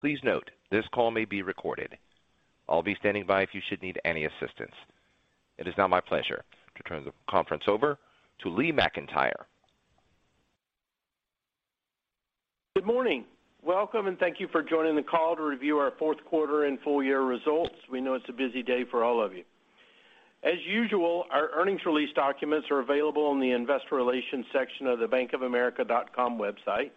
Please note, this call may be recorded. I'll be standing by if you should need any assistance. It is now my pleasure to turn the conference over to Lee McEntire. Good morning. Welcome, and thank you for joining the call to review our fourth quarter and full year results. We know it's a busy day for all of you. As usual, our earnings release documents are available on the Investor Relations section of the bankofamerica.com website,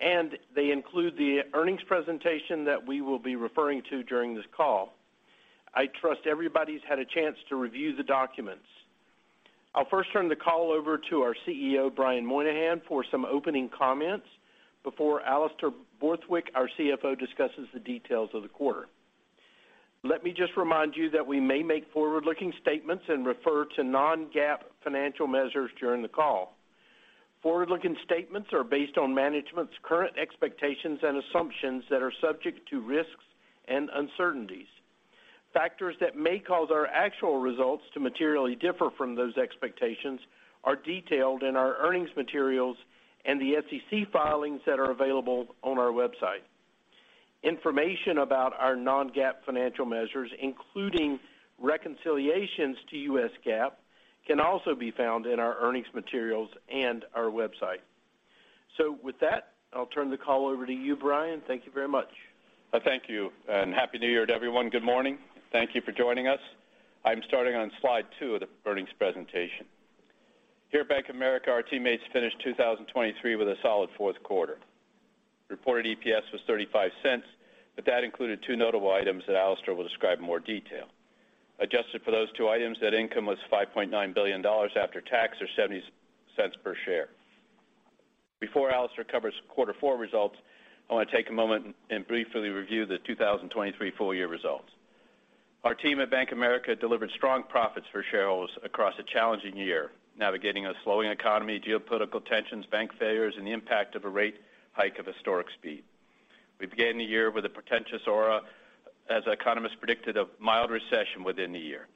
and they include the earnings presentation that we will be referring to during this call. I trust everybody's had a chance to review the documents. I'll first turn the call over to our CEO, Brian Moynihan, for some opening comments before Alastair Borthwick, our CFO, discusses the details of the quarter. Let me just remind you that we may make forward-looking statements and refer to non-GAAP financial measures during the call. Forward-looking statements are based on management's current expectations and assumptions that are subject to risks and uncertainties. Factors that may cause our actual results to materially differ from those expectations are detailed in our earnings materials and the SEC filings that are available on our website. Information about our non-GAAP financial measures, including reconciliations to U.S. GAAP, can also be found in our earnings materials and our website. With that, I'll turn the call over to you, Brian. Thank you very much. Thank you, and Happy New Year to everyone. Good morning. Thank you for joining us. I'm starting on slide two of the earnings presentation. Here at Bank of America, our teammates finished 2023 with a solid fourth quarter. Reported EPS was $0.35, but that included two notable items that Alastair will describe in more detail. Adjusted for those two items, net income was $5.9 billion after tax, or $0.70 per share. Before Alastair covers quarter four results, I want to take a moment and briefly review the 2023 full year results. Our team at Bank of America delivered strong profits for shareholders across a challenging year, navigating a slowing economy, geopolitical tensions, bank failures, and the impact of a rate hike of historic speed. We began the year with a consensus forecast as economists predicted a mild recession within the year.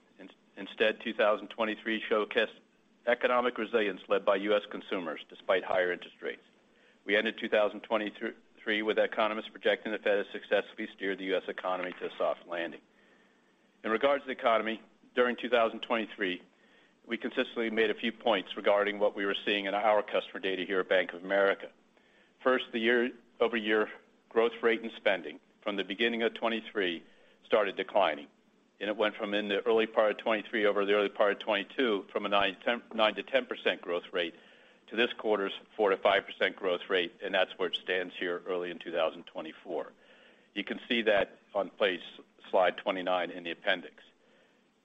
Instead, 2023 showcased economic resilience led by U.S. consumers, despite higher interest rates. We ended 2023 with economists projecting the Fed has successfully steered the U.S. economy to a soft landing. In regards to the economy, during 2023, we consistently made a few points regarding what we were seeing in our customer data here at Bank of America. First, the year-over-year growth rate in spending from the beginning of 2023 started declining, and it went from in the early part of 2023 over the early part of 2022, from a 9%-10% growth rate to this quarter's 4%-5% growth rate, and that's where it stands here early in 2024. You can see that on page, slide 29 in the appendix.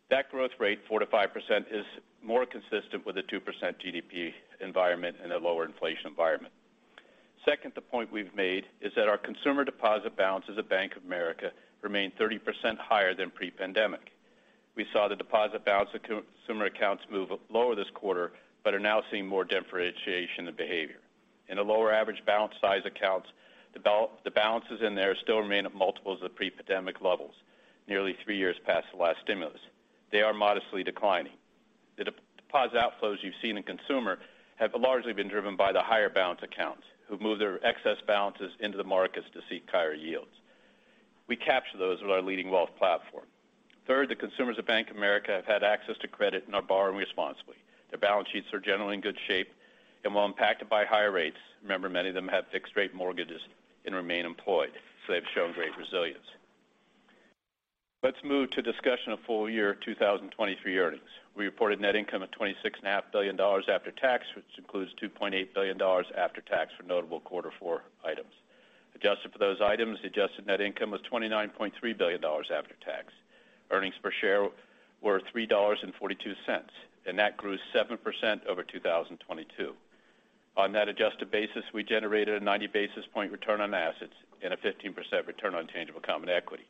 That growth rate, 4%-5%, is more consistent with a 2% GDP environment and a lower inflation environment. Second, the point we've made is that our consumer deposit balances at Bank of America remain 30% higher than pre-pandemic. We saw the deposit balance of consumer accounts move lower this quarter, but are now seeing more differentiation in the behavior. In the lower average balance size accounts, the balances in there still remain at multiples of pre-pandemic levels, nearly three years past the last stimulus. They are modestly declining. The deposit outflows you've seen in consumer have largely been driven by the higher balance accounts, who've moved their excess balances into the markets to seek higher yields. We capture those with our leading wealth platform. Third, the consumers of Bank of America have had access to credit and are borrowing responsibly. Their balance sheets are generally in good shape, and while impacted by higher rates, remember, many of them have fixed-rate mortgages and remain employed, so they've shown great resilience. Let's move to discussion of full year 2023 earnings. We reported net income of $26.5 billion after tax, which includes $2.8 billion after tax for notable quarter four items. Adjusted for those items, adjusted net income was $29.3 billion after tax. Earnings per share were $3.42, and that grew 7% over 2022. On that adjusted basis, we generated a 90 basis point return on assets and a 15% return on tangible common equity.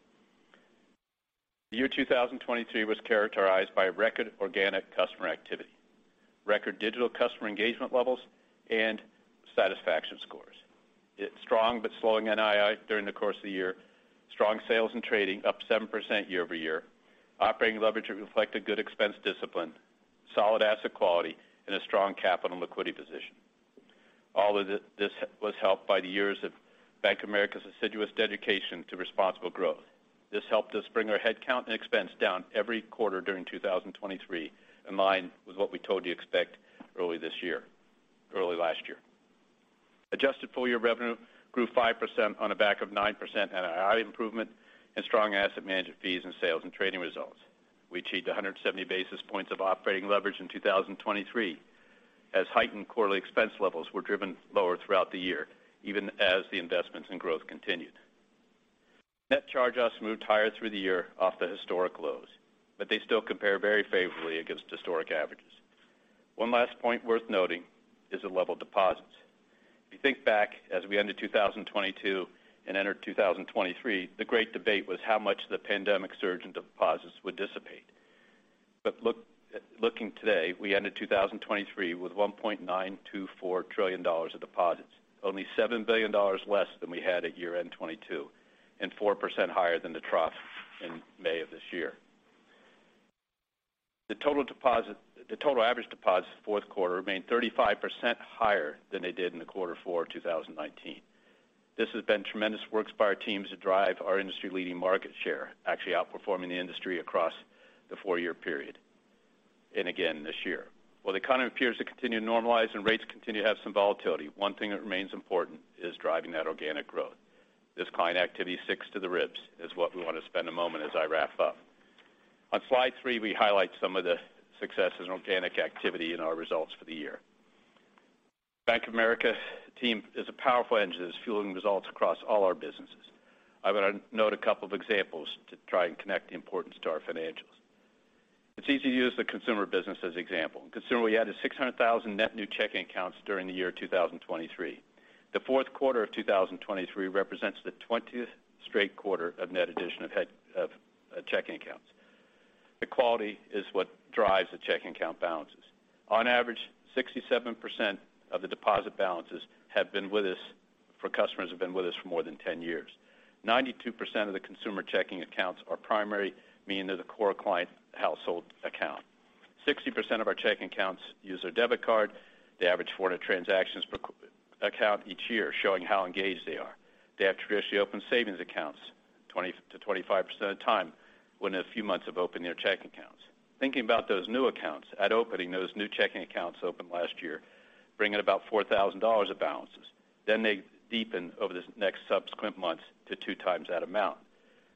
The year 2023 was characterized by record organic customer activity, record digital customer engagement levels, and satisfaction scores. It's strong but slowing NII during the course of the year, strong sales and trading, up 7% year-over-year, operating leverage that reflect a good expense discipline, solid asset quality, and a strong capital and liquidity position. All of this was helped by the years of Bank of America's assiduous dedication to responsible growth. This helped us bring our head count and expense down every quarter during 2023, in line with what we told you to expect early this year, early last year. Adjusted full year revenue grew 5% on the back of 9% NII improvement and strong asset management fees and sales and trading results. We achieved 170 basis points of operating leverage in 2023, as heightened quarterly expense levels were driven lower throughout the year, even as the investments in growth continued. Net charge-offs moved higher through the year off the historic lows, but they still compare very favorably against historic averages. One last point worth noting is the level of deposits. If you think back, as we ended 2022 and entered 2023, the great debate was how much the pandemic surge in deposits would dissipate. But look, looking today, we ended 2023 with $1.924 trillion of deposits, only $7 billion less than we had at year-end 2022, and 4% higher than the trough in May of this year. The total deposit, the total average deposits fourth quarter remained 35% higher than they did in the quarter four 2019. This has been tremendous works by our teams to drive our industry-leading market share, actually outperforming the industry across the four-year period, and again this year. While the economy appears to continue to normalize and rates continue to have some volatility, one thing that remains important is driving that organic growth. This client activity sticks to the ribs, is what we want to spend a moment as I wrap up. On slide three, we highlight some of the successes in organic activity in our results for the year. Bank of America team is a powerful engine that is fueling results across all our businesses. I'm going to note a couple of examples to try and connect the importance to our financials. It's easy to use the consumer business as example. Consumer, we added 600,000 net new checking accounts during the year 2023. The fourth quarter of 2023 represents the 20th straight quarter of net addition of checking accounts. The quality is what drives the checking account balances. On average, 67% of the deposit balances have been with us, for customers who have been with us for more than 10 years. 92% of the consumer checking accounts are primary, meaning they're the core client household account. 60% of our checking accounts use their debit card. They average 400 transactions per account each year, showing how engaged they are. They have traditionally opened savings accounts 20%-25% of the time, within a few months of opening their checking accounts. Thinking about those new accounts, at opening, those new checking accounts opened last year, bringing about $4,000 of balances. Then they deepen over the next subsequent months to two times that amount.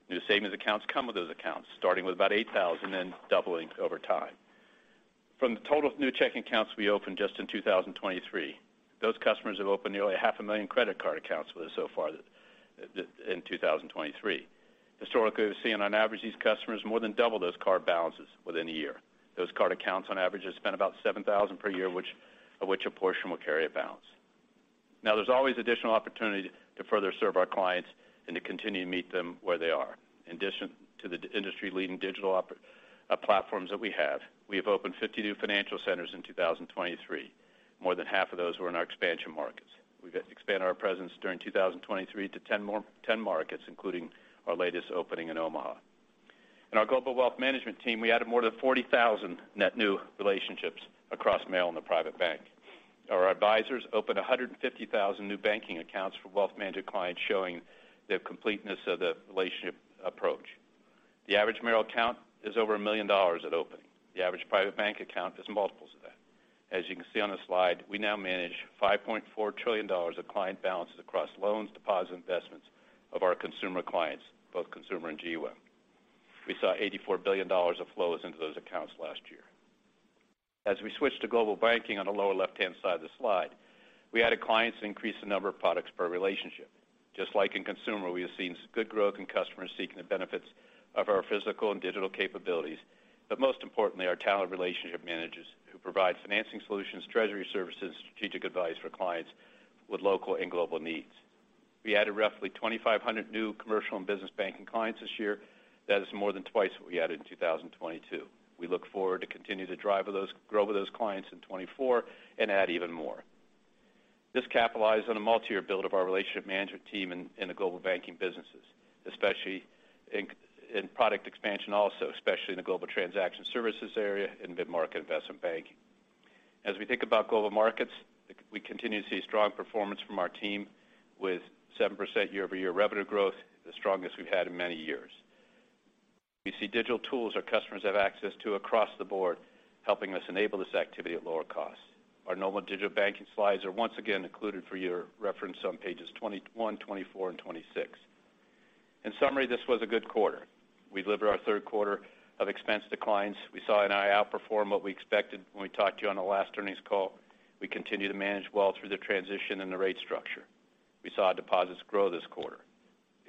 New savings accounts come with those accounts, starting with about $8,000, then doubling over time. From the total new checking accounts we opened just in 2023, those customers have opened nearly 500,000 credit card accounts with us so far in 2023. Historically, we've seen, on average, these customers more than double those card balances within a year. Those card accounts, on average, have spent about $7,000 per year, of which a portion will carry a balance. Now, there's always additional opportunity to further serve our clients and to continue to meet them where they are. In addition to the industry-leading digital operating platforms that we have, we have opened 50 new Financial Centers in 2023. More than half of those were in our expansion markets. We've expanded our presence during 2023 to 10 more markets, including our latest opening in Omaha. In our Global Wealth Management team, we added more than 40,000 net new relationships across Merrill and the Private Bank. Our advisors opened 150,000 new banking accounts for wealth management clients, showing the completeness of the relationship approach. The average Merrill account is over $1 million at opening. The average Private Bank account is multiples of that. As you can see on the slide, we now manage $5.4 trillion of client balances across loans, deposits, investments of our consumer clients, both consumer and GWIM. We saw $84 billion of flows into those accounts last year. As we switch to Global Banking on the lower left-hand side of the slide, we added clients to increase the number of products per relationship. Just like in consumer, we have seen good growth in customers seeking the benefits of our physical and digital capabilities, but most importantly, our talent relationship managers, who provide financing solutions, treasury services, strategic advice for clients with local and global needs. We added roughly 2,500 new commercial and business banking clients this year. That is more than twice what we added in 2022. We look forward to continue to grow with those clients in 2024, and add even more. This capitalized on a multi-year build of our relationship management team in the Global Banking businesses, especially in product expansion also, especially in the Global Transaction Services area and mid-market Investment Banking. As we think about Global Markets, we continue to see strong performance from our team with 7% year-over-year revenue growth, the strongest we've had in many years. We see digital tools our customers have access to across the board, helping us enable this activity at lower costs. Our normal Digital Banking slides are once again included for your reference on pages 21, 24, and 26. In summary, this was a good quarter. We delivered our third quarter of expense declines. We saw NII outperform what we expected when we talked to you on the last earnings call. We continue to manage well through the transition and the rate structure. We saw deposits grow this quarter,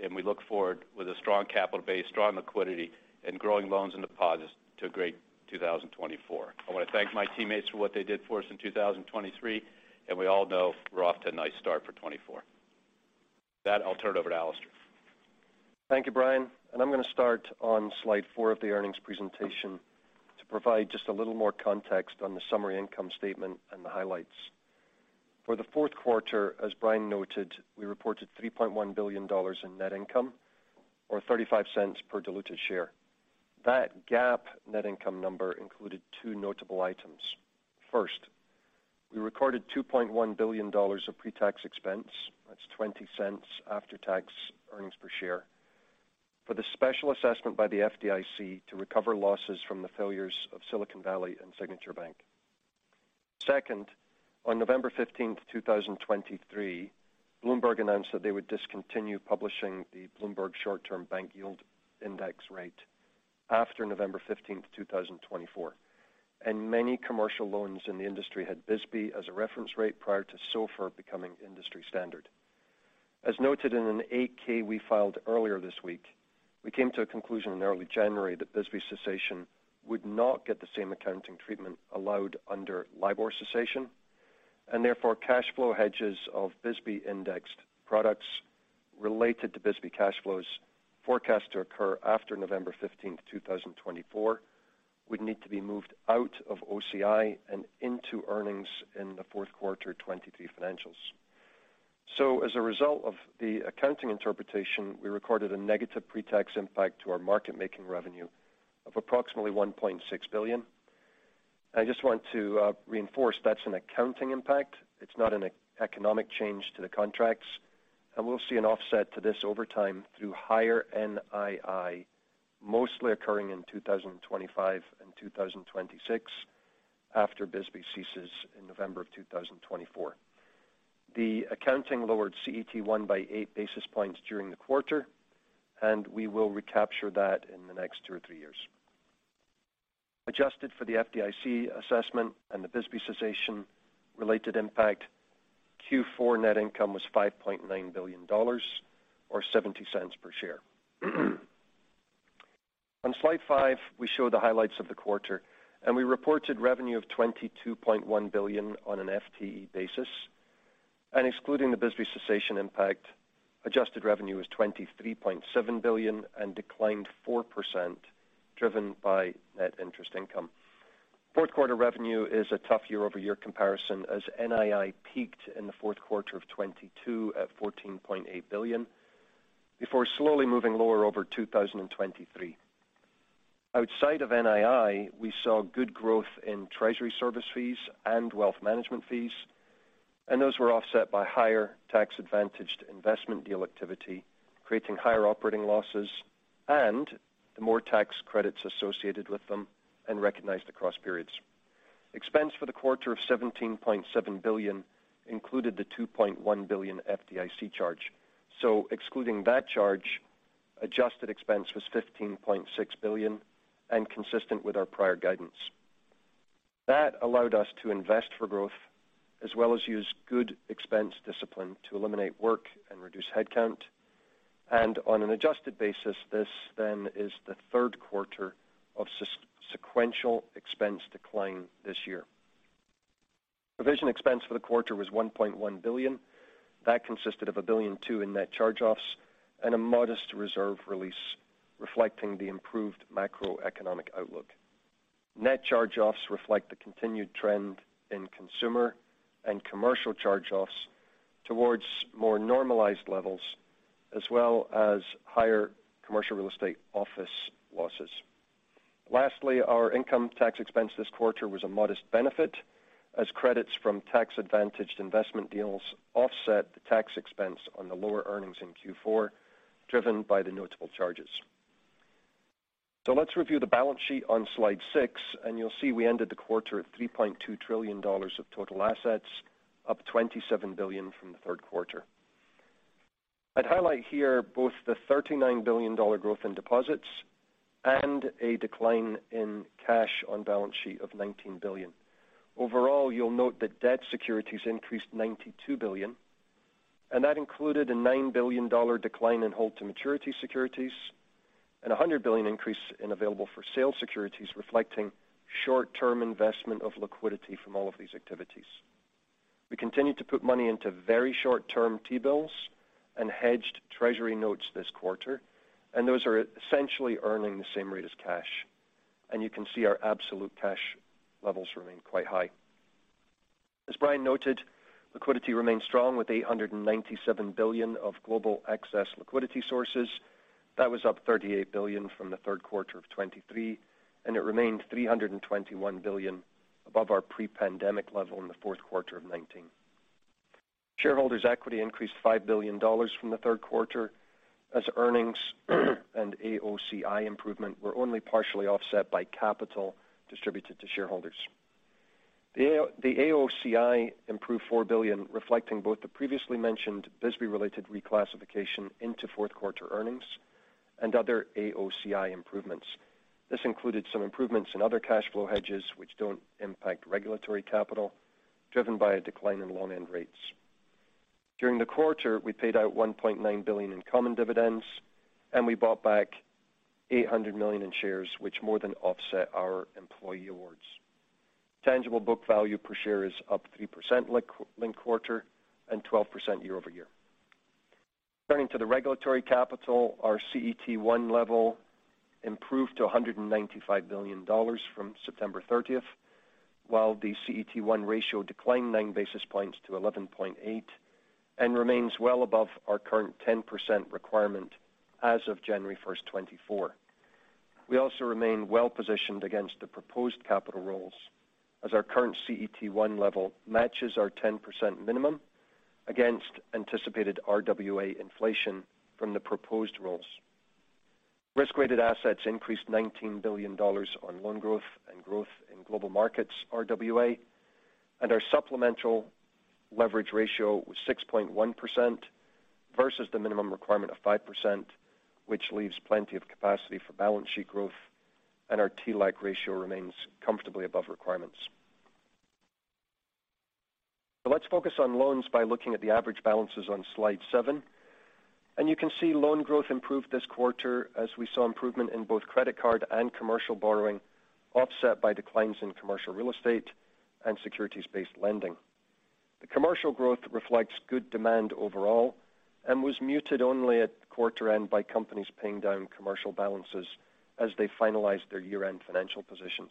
and we look forward with a strong capital base, strong liquidity, and growing loans and deposits to a great 2024. I want to thank my teammates for what they did for us in 2023, and we all know we're off to a nice start for 2024. With that, I'll turn it over to Alastair. Thank you, Brian. I'm going to start on slide four of the earnings presentation to provide just a little more context on the summary income statement and the highlights. For the fourth quarter, as Brian noted, we reported $3.1 billion in net income, or $0.35 per diluted share. That GAAP net income number included two notable items. First, we recorded $2.1 billion of pre-tax expense. That's $0.20 after-tax earnings per share for the special assessment by the FDIC to recover losses from the failures of Silicon Valley and Signature Bank. Second, on November 15, 2023, Bloomberg announced that they would discontinue publishing the Bloomberg Short-Term Bank Yield Index rate after November 15, 2024, and many commercial loans in the industry had BSBY as a reference rate prior to SOFR becoming industry standard. As noted in an 8-K we filed earlier this week, we came to a conclusion in early January that BSBY cessation would not get the same accounting treatment allowed under LIBOR cessation, and therefore, cash flow hedges of BSBY indexed products related to BSBY cash flows forecast to occur after November 15, 2024, would need to be moved out of OCI and into earnings in the fourth quarter 2023 financials. So as a result of the accounting interpretation, we recorded a negative pre-tax impact to our market-making revenue of approximately $1.6 billion. I just want to reinforce that's an accounting impact. It's not an economic change to the contracts, and we'll see an offset to this over time through higher NII, mostly occurring in 2025 and 2026, after BSBY ceases in November 2024. The accounting lowered CET1 by 8 basis points during the quarter, and we will recapture that in the next two or three years. Adjusted for the FDIC assessment and the BSBY cessation-related impact, Q4 net income was $5.9 billion, or $0.70 per share. On slide five, we show the highlights of the quarter, and we reported revenue of $22.1 billion on an FTE basis, and excluding the BSBY cessation impact, adjusted revenue was $23.7 billion and declined 4%, driven by net interest income. Fourth quarter revenue is a tough year-over-year comparison, as NII peaked in the fourth quarter of 2022 at $14.8 billion, before slowly moving lower over 2023. Outside of NII, we saw good growth in treasury service fees and wealth management fees, and those were offset by higher tax-advantaged investment deal activity, creating higher operating losses and the more tax credits associated with them and recognized across periods. Expense for the quarter of $17.7 billion included the $2.1 billion FDIC charge. So excluding that charge, adjusted expense was $15.6 billion and consistent with our prior guidance. That allowed us to invest for growth, as well as use good expense discipline to eliminate work and reduce headcount. And on an adjusted basis, this then is the third quarter of sequential expense decline this year. Provision expense for the quarter was $1.1 billion. That consisted of $1.2 billion in net charge-offs and a modest reserve release, reflecting the improved macroeconomic outlook. Net charge-offs reflect the continued trend in consumer and commercial charge-offs towards more normalized levels, as well as higher commercial real estate office losses. Lastly, our income tax expense this quarter was a modest benefit, as credits from tax-advantaged investment deals offset the tax expense on the lower earnings in Q4, driven by the notable charges. So let's review the balance sheet on slide six, and you'll see we ended the quarter at $3.2 trillion of total assets, up $27 billion from the third quarter. I'd highlight here both the $39 billion growth in deposits and a decline in cash on balance sheet of $19 billion. Overall, you'll note that debt securities increased $92 billion, and that included a $9 billion decline in hold-to-maturity securities and a $100 billion increase in available-for-sale securities, reflecting short-term investment of liquidity from all of these activities. We continued to put money into very short-term T-bills and hedged Treasury notes this quarter, and those are essentially earning the same rate as cash, and you can see our absolute cash levels remain quite high. As Brian noted, liquidity remains strong, with $897 billion of global excess liquidity sources. That was up $38 billion from the third quarter of 2023, and it remained $321 billion above our pre-pandemic level in the fourth quarter of 2019. Shareholders' equity increased $5 billion from the third quarter as earnings and AOCI improvement were only partially offset by capital distributed to shareholders. The AOCI improved $4 billion, reflecting both the previously mentioned BSBY-related reclassification into fourth quarter earnings and other AOCI improvements. This included some improvements in other cash flow hedges, which don't impact regulatory capital, driven by a decline in loan-end rates. During the quarter, we paid out $1.9 billion in common dividends, and we bought back $800 million in shares, which more than offset our employee awards. Tangible book value per share is up 3% linked quarter and 12% year-over-year. Turning to the regulatory capital, our CET1 level improved to $195 billion from September 30, while the CET1 ratio declined 9 basis points to 11.8% and remains well above our current 10% requirement as of January 1, 2024. We also remain well-positioned against the proposed capital rules, as our current CET1 level matches our 10% minimum against anticipated RWA inflation from the proposed rules. Risk-weighted assets increased $19 billion on loan growth and growth in Global Markets RWA, and our supplemental leverage ratio was 6.1% versus the minimum requirement of 5%, which leaves plenty of capacity for balance sheet growth, and our TLAC ratio remains comfortably above requirements. So let's focus on loans by looking at the average balances on slide seven. And you can see loan growth improved this quarter as we saw improvement in both credit card and commercial borrowing, offset by declines in commercial real estate and securities-based lending. The commercial growth reflects good demand overall and was muted only at quarter-end by companies paying down commercial balances as they finalized their year-end financial positions.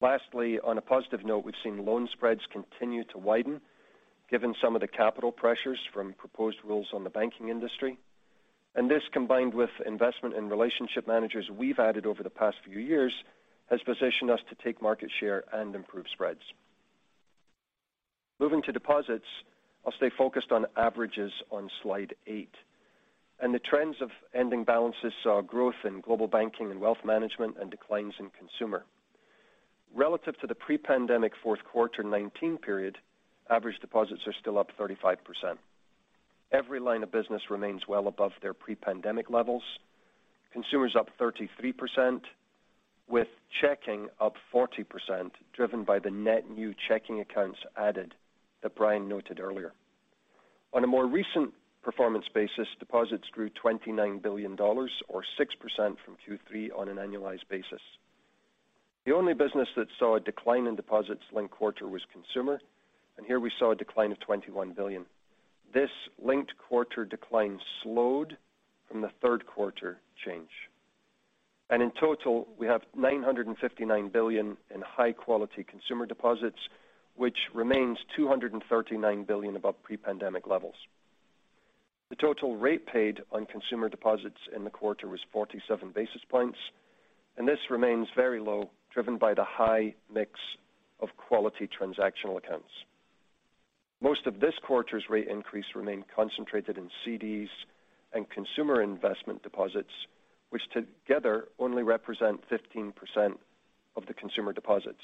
Lastly, on a positive note, we've seen loan spreads continue to widen, given some of the capital pressures from proposed rules on the banking industry. And this, combined with investment in relationship managers we've added over the past few years, has positioned us to take market share and improve spreads. Moving to deposits, I'll stay focused on averages on slide eight. And the trends of ending balances saw growth in Global Banking and wealth management and declines in consumer. Relative to the pre-pandemic fourth quarter 2019 period, average deposits are still up 35%. Every line of business remains well above their pre-pandemic levels. Consumer is up 33%, with checking up 40%, driven by the net new checking accounts added that Brian noted earlier. On a more recent performance basis, deposits grew $29 billion, or 6% from Q3 on an annualized basis. The only business that saw a decline in deposits linked quarter was consumer, and here we saw a decline of $21 billion. This linked quarter decline slowed from the third quarter change. In total, we have $959 billion in high-quality consumer deposits, which remains $239 billion above pre-pandemic levels. The total rate paid on consumer deposits in the quarter was 47 basis points, and this remains very low, driven by the high mix of quality transactional accounts. Most of this quarter's rate increase remained concentrated in CDs and consumer investment deposits, which together only represent 15% of the consumer deposits.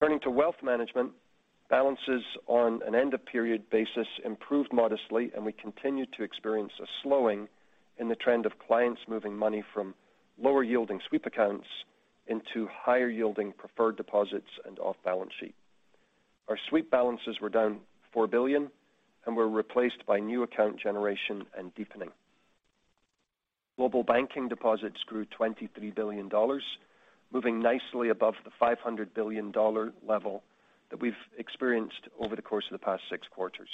Turning to wealth management, balances on an end-of-period basis improved modestly, and we continued to experience a slowing in the trend of clients moving money from lower-yielding sweep accounts into higher-yielding preferred deposits and off-balance sheet. Our sweep balances were down $4 billion and were replaced by new account generation and deepening. Global banking deposits grew $23 billion, moving nicely above the $500 billion level that we've experienced over the course of the past six quarters.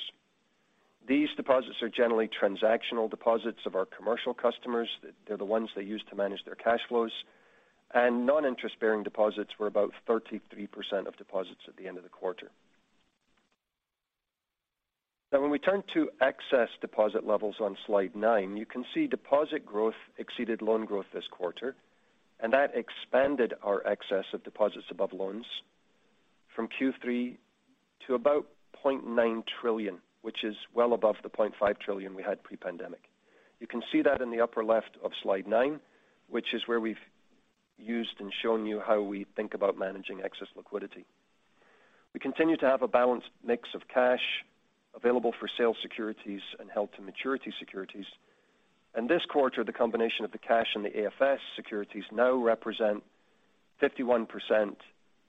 These deposits are generally transactional deposits of our commercial customers. They're the ones they use to manage their cash flows. And non-interest-bearing deposits were about 33% of deposits at the end of the quarter. Now, when we turn to excess deposit levels on slide nine, you can see deposit growth exceeded loan growth this quarter, and that expanded our excess of deposits above loans from Q3 to about $0.9 trillion, which is well above the $0.5 trillion we had pre-pandemic. You can see that in the upper left of slide nine, which is where we've used and shown you how we think about managing excess liquidity. We continue to have a balanced mix of cash, available-for-sale securities, and held-to-maturity securities. And this quarter, the combination of the cash and the AFS securities now represent 51%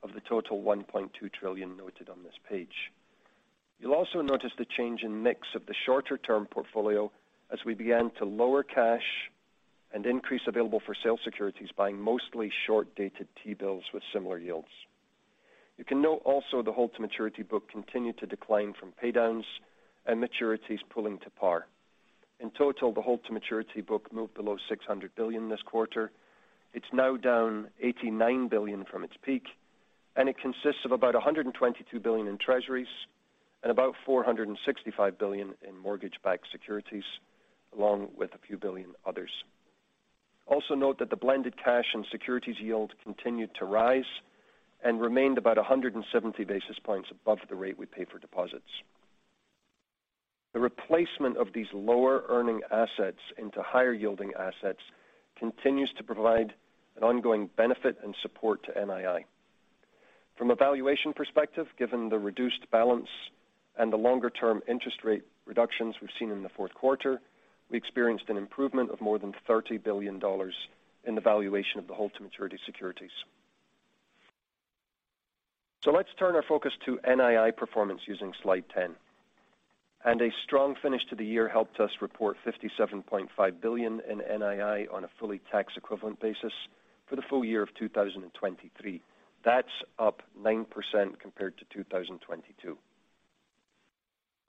of the total $1.2 trillion noted on this page. You'll also notice the change in mix of the shorter-term portfolio as we began to lower cash and increase available-for-sale securities, buying mostly short-dated T-bills with similar yields. You can note also, the hold-to-maturity book continued to decline from pay downs and maturities pulling to par. In total, the hold-to-maturity book moved below $600 billion this quarter. It's now down $89 billion from its peak, and it consists of about $122 billion in Treasuries and about $465 billion in mortgage-backed securities, along with a few billion others. Also note that the blended cash and securities yield continued to rise and remained about 170 basis points above the rate we pay for deposits. The replacement of these lower-earning assets into higher-yielding assets continues to provide an ongoing benefit and support to NII. From a valuation perspective, given the reduced balance and the longer-term interest rate reductions we've seen in the fourth quarter, we experienced an improvement of more than $30 billion in the valuation of the hold-to-maturity securities. Let's turn our focus to NII performance using slide 10. A strong finish to the year helped us report $57.5 billion in NII on a fully tax equivalent basis for the full year of 2023. That's up 9% compared to 2022.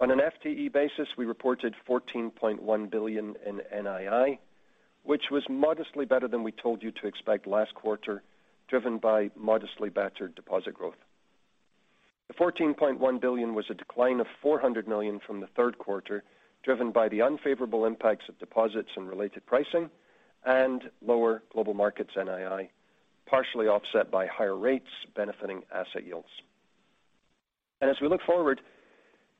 On an FTE basis, we reported $14.1 billion in NII, which was modestly better than we told you to expect last quarter, driven by modestly better deposit growth. The $14.1 billion was a decline of $400 million from the third quarter, driven by the unfavorable impacts of deposits and related pricing and lower Global Markets NII, partially offset by higher rates benefiting asset yields. As we look forward,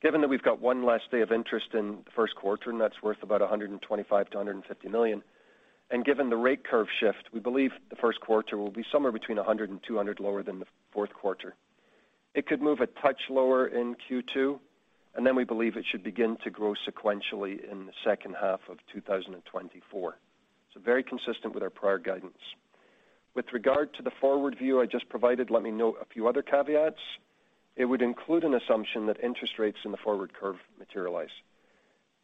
given that we've got one last day of interest in the first quarter, and that's worth about $125 million-$150 million, and given the rate curve shift, we believe the first quarter will be somewhere between $100 and $200 lower than the fourth quarter. It could move a touch lower in Q2, and then we believe it should begin to grow sequentially in the second half of 2024. So very consistent with our prior guidance. With regard to the forward view I just provided, let me note a few other caveats. It would include an assumption that interest rates in the forward curve materialize.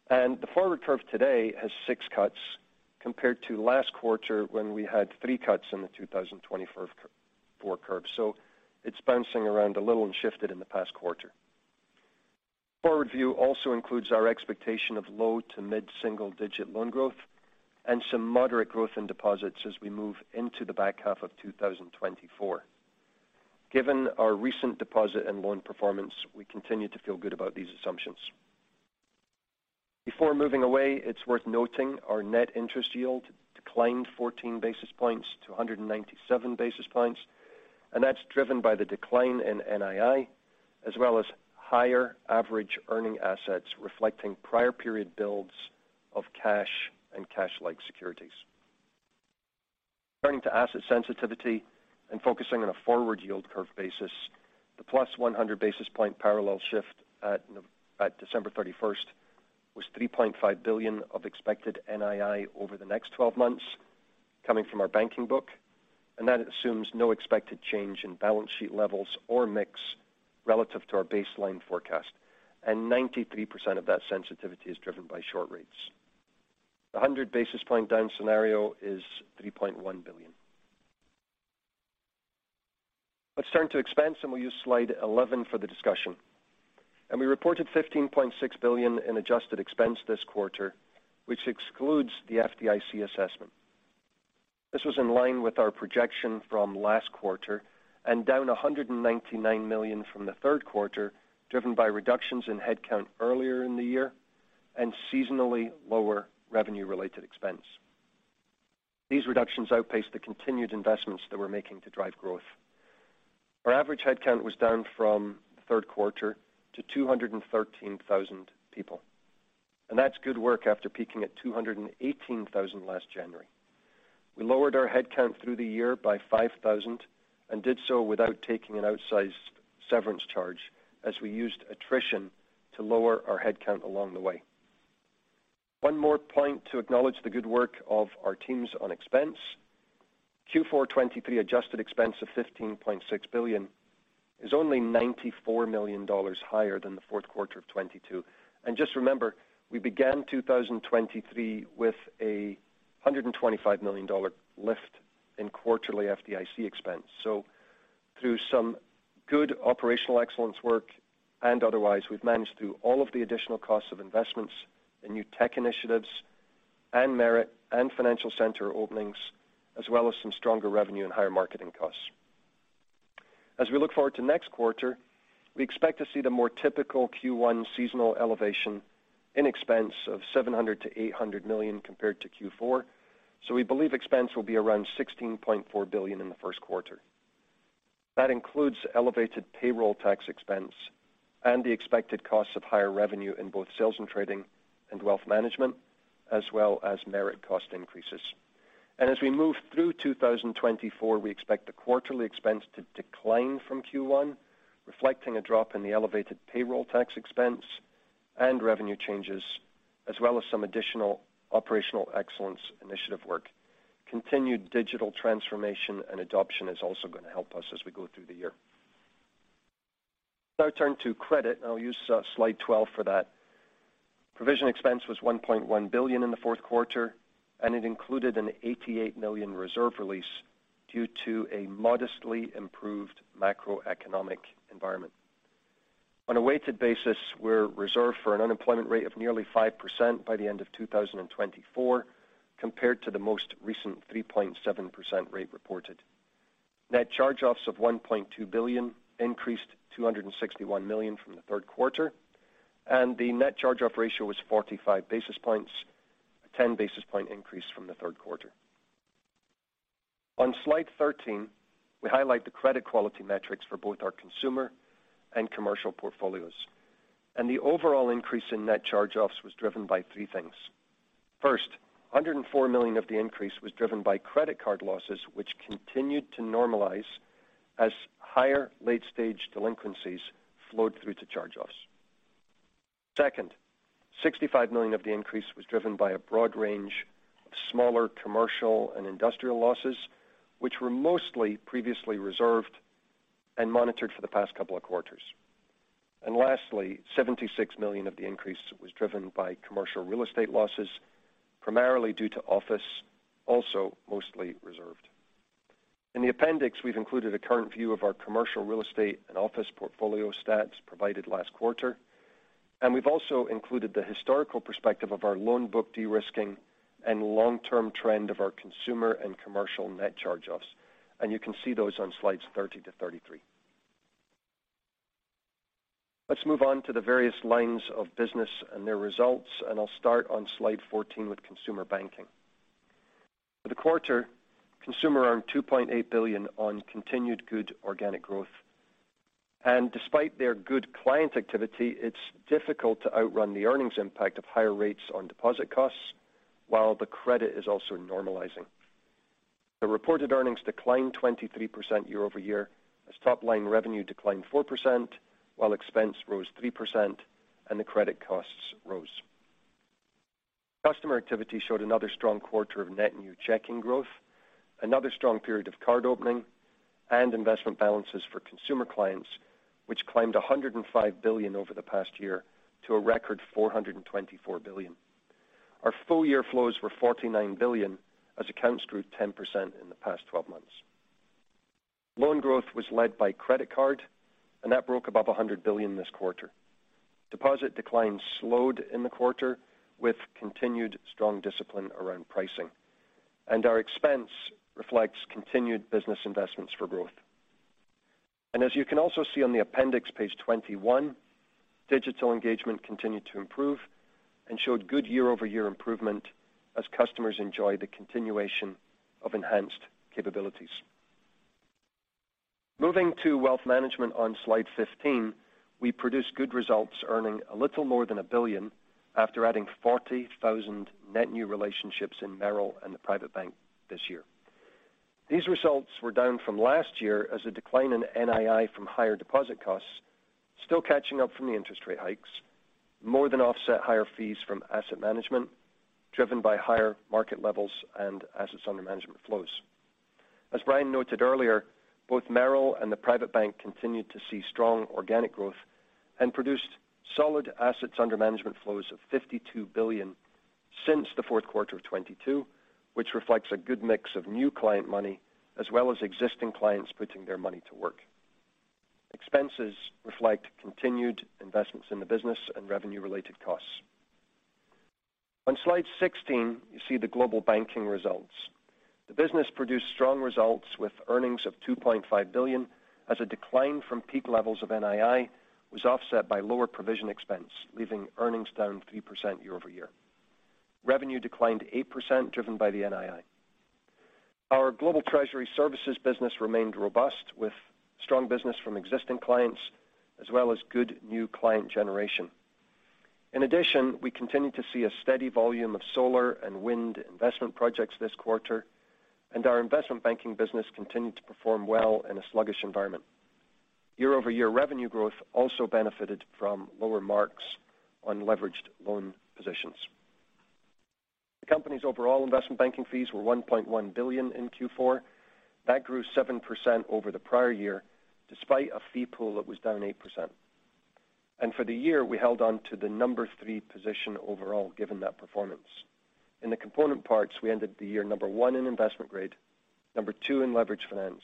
And the forward curve today has six cuts, compared to last quarter, when we had three cuts in the 2024 curve. So it's bouncing around a little and shifted in the past quarter. Forward view also includes our expectation of low to mid-single-digit loan growth and some moderate growth in deposits as we move into the back half of 2024. Given our recent deposit and loan performance, we continue to feel good about these assumptions. Before moving away, it's worth noting our net interest yield declined 14 basis points to 197 basis points, and that's driven by the decline in NII, as well as higher average earning assets, reflecting prior period builds of cash and cash-like securities. Turning to asset sensitivity and focusing on a forward yield curve basis, the +100 basis point parallel shift at December 31st was $3.5 billion of expected NII over the next 12 months coming from our banking book, and that assumes no expected change in balance sheet levels or mix relative to our baseline forecast, and 93% of that sensitivity is driven by short rates. A 100 basis point down scenario is $3.1 billion. Let's turn to expense, and we'll use slide 11 for the discussion. We reported $15.6 billion in adjusted expense this quarter, which excludes the FDIC assessment. This was in line with our projection from last quarter and down $199 million from the third quarter, driven by reductions in headcount earlier in the year and seasonally lower revenue-related expense. These reductions outpaced the continued investments that we're making to drive growth. Our average headcount was down from the third quarter to 213,000 people, and that's good work after peaking at 218,000 last January. We lowered our headcount through the year by 5,000 and did so without taking an outsized severance charge, as we used attrition to lower our headcount along the way. One more point to acknowledge the good work of our teams on expense. Q4 2023 adjusted expense of $15.6 billion is only $94 million higher than the fourth quarter of 2022. Just remember, we began 2023 with a $125 million lift in quarterly FDIC expense. Through some good operational excellence work and otherwise, we've managed through all of the additional costs of investments and new tech initiatives and merit and financial center openings, as well as some stronger revenue and higher marketing costs. As we look forward to next quarter, we expect to see the more typical Q1 seasonal elevation in expense of $700 million-$800 million compared to Q4, so we believe expense will be around $16.4 billion in the first quarter. That includes elevated payroll tax expense and the expected costs of higher revenue in both sales and trading and wealth management, as well as merit cost increases. As we move through 2024, we expect the quarterly expense to decline from Q1, reflecting a drop in the elevated payroll tax expense and revenue changes, as well as some additional operational excellence initiative work. Continued digital transformation and adoption is also gonna help us as we go through the year. Now I turn to credit, and I'll use slide 12 for that. Provision expense was $1.1 billion in the fourth quarter, and it included an $88 million reserve release due to a modestly improved macroeconomic environment. On a weighted basis, we're reserved for an unemployment rate of nearly 5% by the end of 2024, compared to the most recent 3.7% rate reported. Net charge-offs of $1.2 billion increased $261 million from the third quarter, and the net charge-off ratio was 45 basis points, a 10-basis point increase from the third quarter. On slide 13, we highlight the credit quality metrics for both our consumer and commercial portfolios, and the overall increase in net charge-offs was driven by three things. First, $104 million of the increase was driven by credit card losses, which continued to normalize as higher late-stage delinquencies flowed through to charge-offs. Second, $65 million of the increase was driven by a broad range of smaller commercial and industrial losses, which were mostly previously reserved and monitored for the past couple of quarters. Lastly, $76 million of the increase was driven by commercial real estate losses, primarily due to office, also mostly reserved. In the appendix, we've included a current view of our commercial real estate and office portfolio stats provided last quarter, and we've also included the historical perspective of our loan book de-risking and long-term trend of our consumer and commercial net charge-offs. You can see those on slides 30-33. Let's move on to the various lines of business and their results, and I'll start on slide 14 with Consumer Banking. For the quarter, Consumer earned $2.8 billion on continued good organic growth. Despite their good client activity, it's difficult to outrun the earnings impact of higher rates on deposit costs, while the credit is also normalizing. The reported earnings declined 23% year-over-year, as top-line revenue declined 4%, while expense rose 3% and the credit costs rose. Customer activity showed another strong quarter of net new checking growth, another strong period of card opening and investment balances for consumer clients, which climbed $105 billion over the past year to a record $424 billion. Our full-year flows were $49 billion, as accounts grew 10% in the past twelve months. Loan growth was led by credit card, and that broke above $100 billion this quarter. Deposit declines slowed in the quarter, with continued strong discipline around pricing. Our expense reflects continued business investments for growth. As you can also see on the appendix, page 21, digital engagement continued to improve and showed good year-over-year improvement as customers enjoy the continuation of enhanced capabilities. Moving to Wealth Management on slide 15, we produced good results, earning a little more than $1 billion after adding 40,000 net new relationships in Merrill and the Private Bank this year. These results were down from last year as a decline in NII from higher deposit costs, still catching up from the interest rate hikes, more than offset higher fees from asset management, driven by higher market levels and assets under management flows. As Brian noted earlier, both Merrill and the Private Bank continued to see strong organic growth and produced solid assets under management flows of $52 billion since the fourth quarter of 2022, which reflects a good mix of new client money, as well as existing clients putting their money to work. Expenses reflect continued investments in the business and revenue-related costs. On slide 16, you see the Global Banking results. The business produced strong results with earnings of $2.5 billion, as a decline from peak levels of NII was offset by lower provision expense, leaving earnings down 3% year-over-year. Revenue declined 8%, driven by the NII. Our Global Treasury Services business remained robust, with strong business from existing clients as well as good new client generation. In addition, we continued to see a steady volume of solar and wind investment projects this quarter, and our Investment Banking business continued to perform well in a sluggish environment. Year-over-year revenue growth also benefited from lower marks on leveraged loan positions. The company's overall Investment Banking fees were $1.1 billion in Q4. That grew 7% over the prior year, despite a fee pool that was down 8%. And for the year, we held on to the number three position overall, given that performance. In the component parts, we ended the year number one in investment grade, number two in leveraged finance,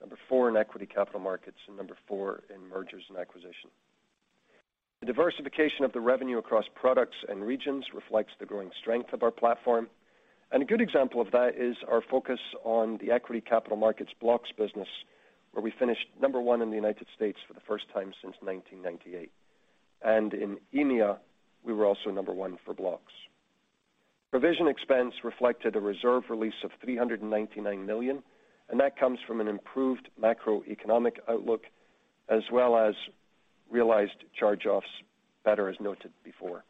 number four in equity capital markets, and number four in mergers and acquisitions. The diversification of the revenue across products and regions reflects the growing strength of our platform. And a good example of that is our focus on the equity capital markets blocks business, where we finished number one in the United States for the first time since 1998. And in EMEA, we were also number one for blocks. Provision expense reflected a reserve release of $399 million, and that comes from an improved macroeconomic outlook, as well as realized charge-offs, better as noted before.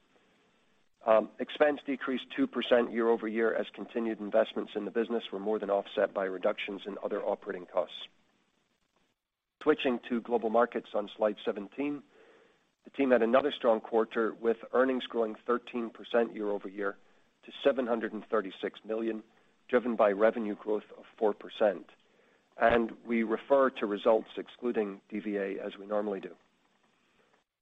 Expense decreased 2% year-over-year, as continued investments in the business were more than offset by reductions in other operating costs. Switching to Global Markets on slide 17, the team had another strong quarter, with earnings growing 13% year-over-year to $736 million, driven by revenue growth of 4%. And we refer to results excluding DVA, as we normally do.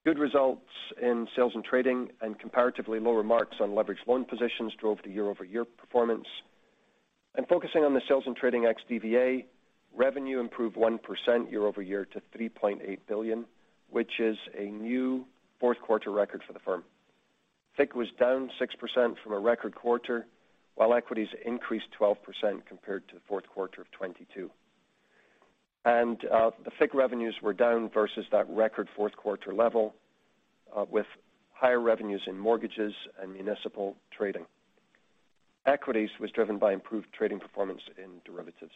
Good results in sales and trading and comparatively lower marks on leveraged loan positions drove the year-over-year performance. Focusing on the sales and trading ex DVA, revenue improved 1% year-over-year to $3.8 billion, which is a new fourth quarter record for the firm. FICC was down 6% from a record quarter, while equities increased 12% compared to the fourth quarter of 2022. The FICC revenues were down versus that record fourth quarter level, with higher revenues in mortgages and municipal trading. Equities was driven by improved trading performance in derivatives,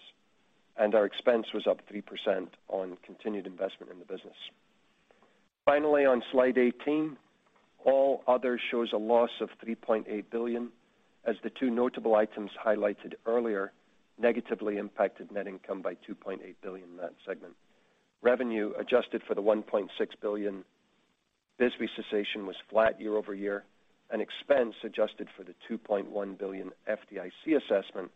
and our expense was up 3% on continued investment in the business. Finally, on slide 18, All Other shows a loss of $3.8 billion, as the two notable items highlighted earlier negatively impacted net income by $2.8 billion in that segment. Revenue, adjusted for the $1.6 billion BSBY cessation, was flat year-over-year, and expense, adjusted for the $2.1 billion FDIC assessment,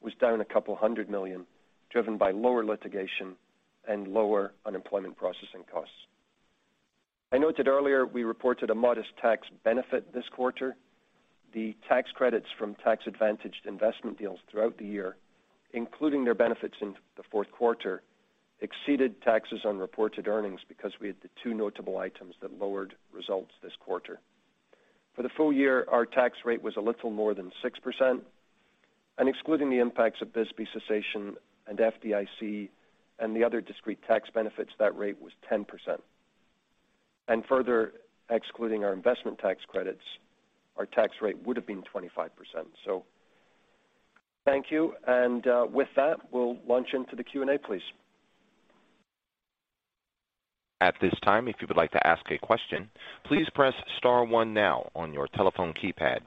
was down a couple hundred million, driven by lower litigation and lower unemployment processing costs. I noted earlier, we reported a modest tax benefit this quarter. The tax credits from tax-advantaged investment deals throughout the year, including their benefits in the fourth quarter, exceeded taxes on reported earnings because we had the two notable items that lowered results this quarter. For the full year, our tax rate was a little more than 6%, and excluding the impacts of BSBY cessation and FDIC and the other discrete tax benefits, that rate was 10%. And further, excluding our investment tax credits, our tax rate would have been 25%. So thank you. And with that, we'll launch into the Q&A, please. At this time, if you would like to ask a question, please press star one now on your telephone keypad.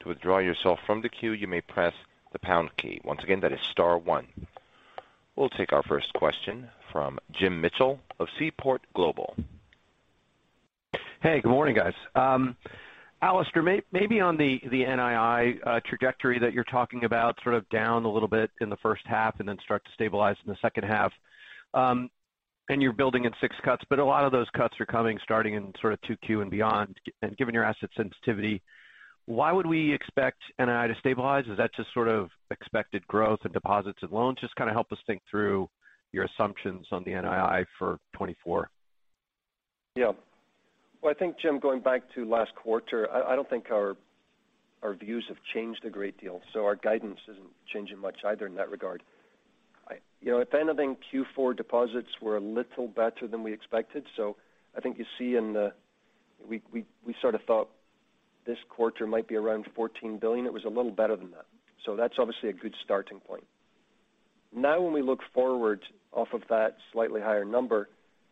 To withdraw yourself from the queue, you may press the pound key. Once again, that is star one. We'll take our first question from Jim Mitchell of Seaport Global. Hey, good morning, guys. Alastair, maybe on the NII trajectory that you're talking about, sort of down a little bit in the first half and then start to stabilize in the second half and you're building in six cuts, but a lot of those cuts are coming, starting in sort of 2Q and beyond. And given your asset sensitivity, why would we expect NII to stabilize? Is that just sort of expected growth in deposits and loans? Just kind of help us think through your assumptions on the NII for 2024. Yeah. Well, I think, Jim, going back to last quarter, I don't think our views have changed a great deal, so our guidance isn't changing much either in that regard. At the end of Q4, deposits were a little better than we expected. So I think you see in the thought this quarter might be around $14 billion. It was a little better than that. So that's obviously a good starting point. Now, when we look forward off of that slightly higher number,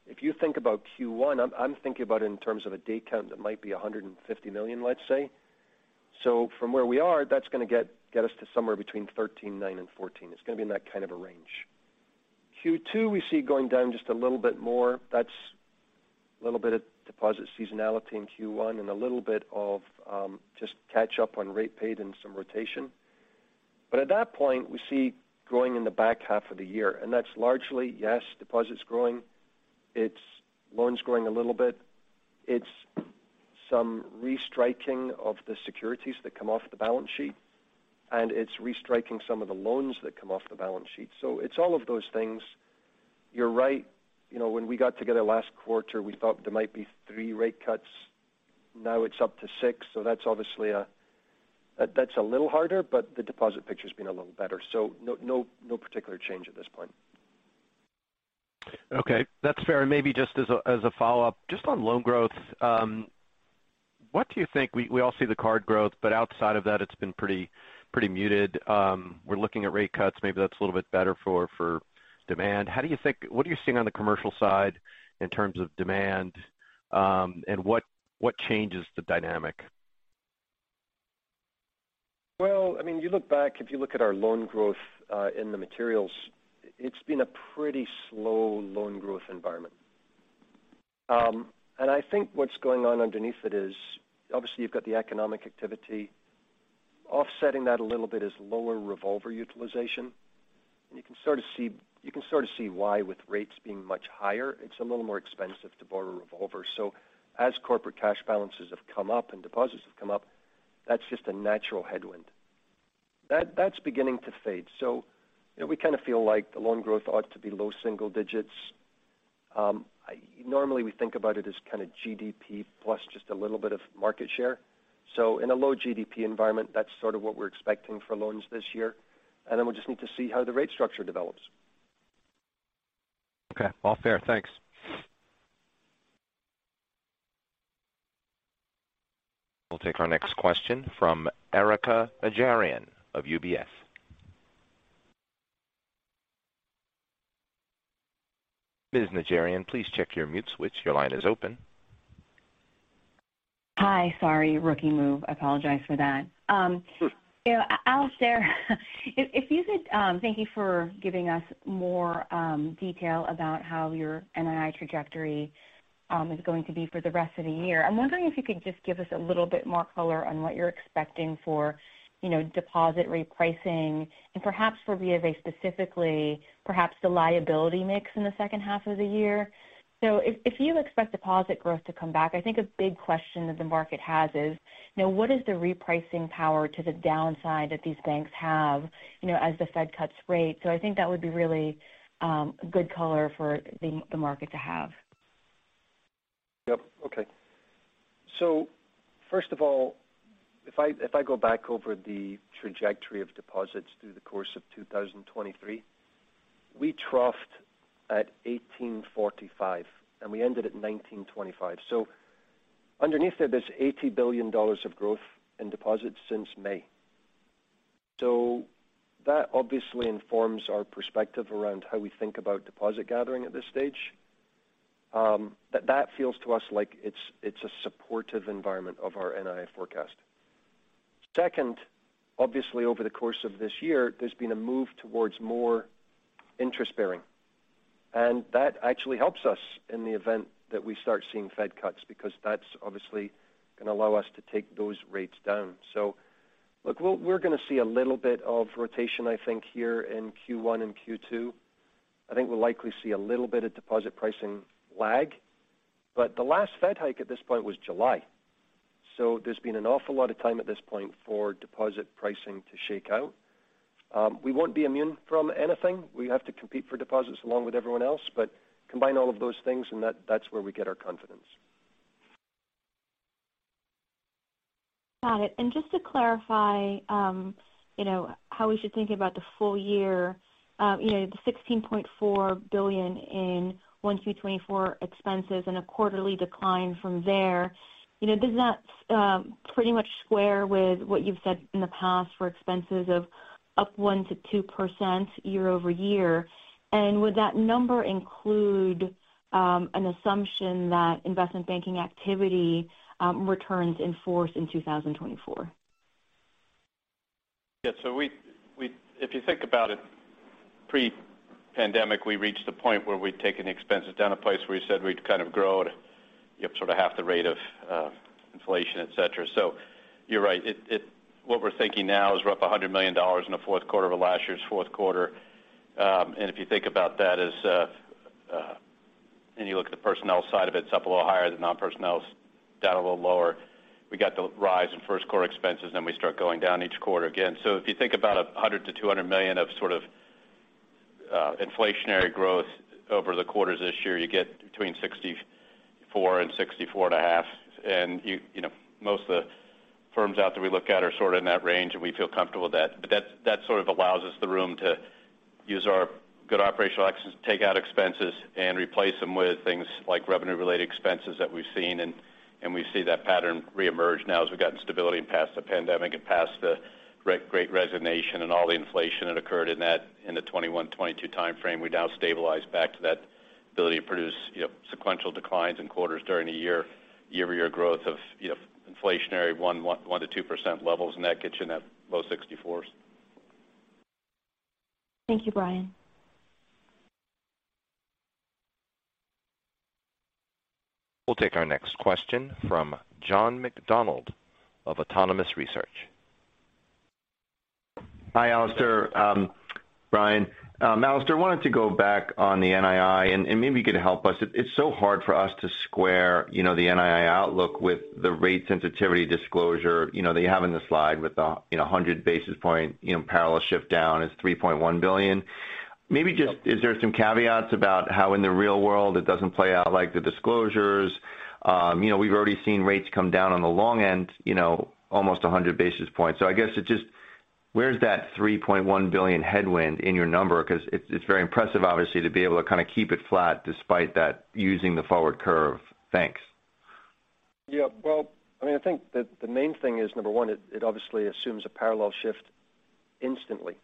if you think about Q1, I'm thinking about it in terms of a day count that might be $150 million, let's say. So from where we are, that's gonna get us to somewhere between $13.9 billion and $14 billion. It's gonna be in that kind of a range. Q2, we see going down just a little bit more. That's a little bit of deposit seasonality in Q1 and a little bit of just catch up on rate paid and some rotation. But at that point, we see growing in the back half of the year, and that's largely, yes, deposits growing, it's loans growing a little bit. It's some restriking of the securities that come off the balance sheet, and it's restriking some of the loans that come off the balance sheet. So it's all of those things. You're right. You know, when we got together last quarter, we thought there might be three rate cuts. Now it's up to six. So that's obviously a, that's a little harder, but the deposit picture's been a little better, so no, no, no particular change at this point. Okay, that's fair. And maybe just as a follow-up, just on loan growth, what do you think? We all see the card growth, but outside of that, it's been pretty, pretty muted. We're looking at rate cuts. Maybe that's a little bit better for demand. How do you think, what are you seeing on the commercial side in terms of demand? And what changes the dynamic? Well, I mean, you look back, if you look at our loan growth, in the materials, it's been a pretty slow loan growth environment. And I think what's going on underneath it is, obviously you've got the economic activity. Offsetting that a little bit is lower revolver utilization, and you can sort of see why with rates being much higher, it's a little more expensive to borrow a revolver. So as corporate cash balances have come up and deposits have come up, that's just a natural headwind. That's beginning to fade. So, you know, we kind of feel like the loan growth ought to be low single digits. Normally, we think about it as kind of GDP plus just a little bit of market share. In a low GDP environment, that's sort of what we're expecting for loans this year, and then we'll just need to see how the rate structure develops. Okay, all fair. Thanks. We'll take our next question from Erika Najarian of UBS. Ms. Najarian, please check your mute switch. Your line is open. Hi. Sorry, rookie move. I apologize for that. You know, Alastair, if you could, thank you for giving us more detail about how your NII trajectory is going to be for the rest of the year. I'm wondering if you could just give us a little bit more color on what you're expecting for, you know, deposit repricing and perhaps for BofA specifically, perhaps the liability mix in the second half of the year. So if you expect deposit growth to come back, I think a big question that the market has is, you know, what is the repricing power to the downside that these banks have, you know, as the Fed cuts rates? So I think that would be really good color for the market to have. Yep. Okay. So first of all, if I, if I go back over the trajectory of deposits through the course of 2023, we troughed at $1,845 billion, and we ended at $1,925 billion. So underneath it, there's $80 billion of growth in deposits since May. So that obviously informs our perspective around how we think about deposit gathering at this stage. That, that feels to us like it's, it's a supportive environment of our NII forecast. Second, obviously, over the course of this year, there's been a move towards more interest bearing, and that actually helps us in the event that we start seeing Fed cuts, because that's obviously going to allow us to take those rates down. So look, we're, we're gonna see a little bit of rotation, I think, here in Q1 and Q2. I think we'll likely see a little bit of deposit pricing lag, but the last Fed hike at this point was July, so there's been an awful lot of time at this point for deposit pricing to shake out. We won't be immune from anything. We have to compete for deposits along with everyone else, but combine all of those things, and that's where we get our confidence. Got it. And just to clarify, you know, how we should think about the full year, you know, the $16.4 billion in 1Q 2024 expenses and a quarterly decline from there, you know, does that, pretty much square with what you've said in the past for expenses of up 1%-2% year-over-year? And would that number include, an assumption that investment banking activity, returns in force in 2024? Yeah. So we, if you think about it, pre-pandemic, we reached a point where we'd taken the expenses down a place where we said we'd kind of grow it. You have sort of half the rate of, inflation, etc. So you're right. What we're thinking now is we're up $100 million in the fourth quarter of last year's fourth quarter. And if you think about that as, and you look at the personnel side of it, it's up a little higher, the non-personnel's down a little lower. We got the rise in first quarter expenses, then we start going down each quarter again. So if you think about $100 million-$200 million of sort of, inflationary growth over the quarters this year, you get between $64 billion and $64.5 billion. And you, you know, most of the firms out there we look at are sort of in that range, and we feel comfortable with that. But that sort of allows us the room to use our good operational excellence to take out expenses and replace them with things like revenue-related expenses that we've seen. And we see that pattern reemerge now as we've gotten stability past the pandemic and past the great resignation and all the inflation that occurred in the 2021-2022 timeframe. We've now stabilized back to that ability to produce, you know, sequential declines in quarters during the year, year-over-year growth of, you know, inflationary 1%-2% levels, and that gets you in that low 60s. Thank you, Brian. We'll take our next question from John McDonald of Autonomous Research. Hi, Alastair, Brian. Alastair, I wanted to go back on the NII, and maybe you could help us. It's so hard for us to square, you know, the NII outlook with the rate sensitivity disclosure, you know, that you have in the slide with the, you know, 100 basis points, you know, parallel shift down is $3.1 billion. Is there some caveats about how in the real world, it doesn't play out like the disclosures? You know, we've already seen rates come down on the long end, you know, almost 100 basis points. So I guess it just, where's that $3.1 billion headwind in your number? Because it's, it's very impressive, obviously, to be able to kind of keep it flat despite that, using the forward curve. Thanks. Yeah, well, I mean, I think that the main thing is, number one, it obviously assumes a parallel shift instantly.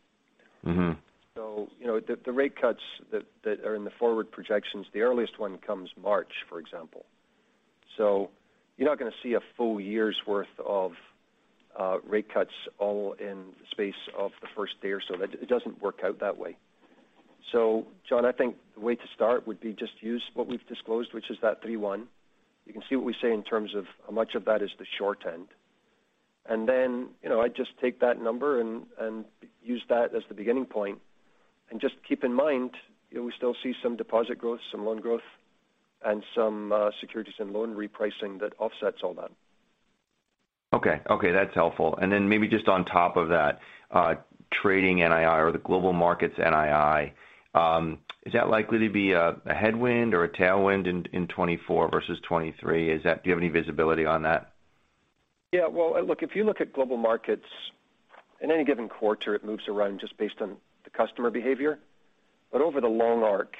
So, you know, the rate cuts that are in the forward projections, the earliest one comes March, for example. So you're not going to see a full year's worth of rate cuts all in the space of the first day or so. That it doesn't work out that way. So John, I think the way to start would be just use what we've disclosed, which is that 3-1. You can see what we say in terms of how much of that is the short end. And then, you know, I'd just take that number and use that as the beginning point. And just keep in mind, we still see some deposit growth, some loan growth, and some securities and loan repricing that offsets all that. Okay. Okay, that's helpful. And then maybe just on top of that, trading NII or the Global Markets NII, is that likely to be a headwind or a tailwind in 2024 versus 2023? Is that, do you have any visibility on that? Yeah, well, look, if you look at Global Markets, in any given quarter, it moves around just based on the customer behavior. But over the long arc,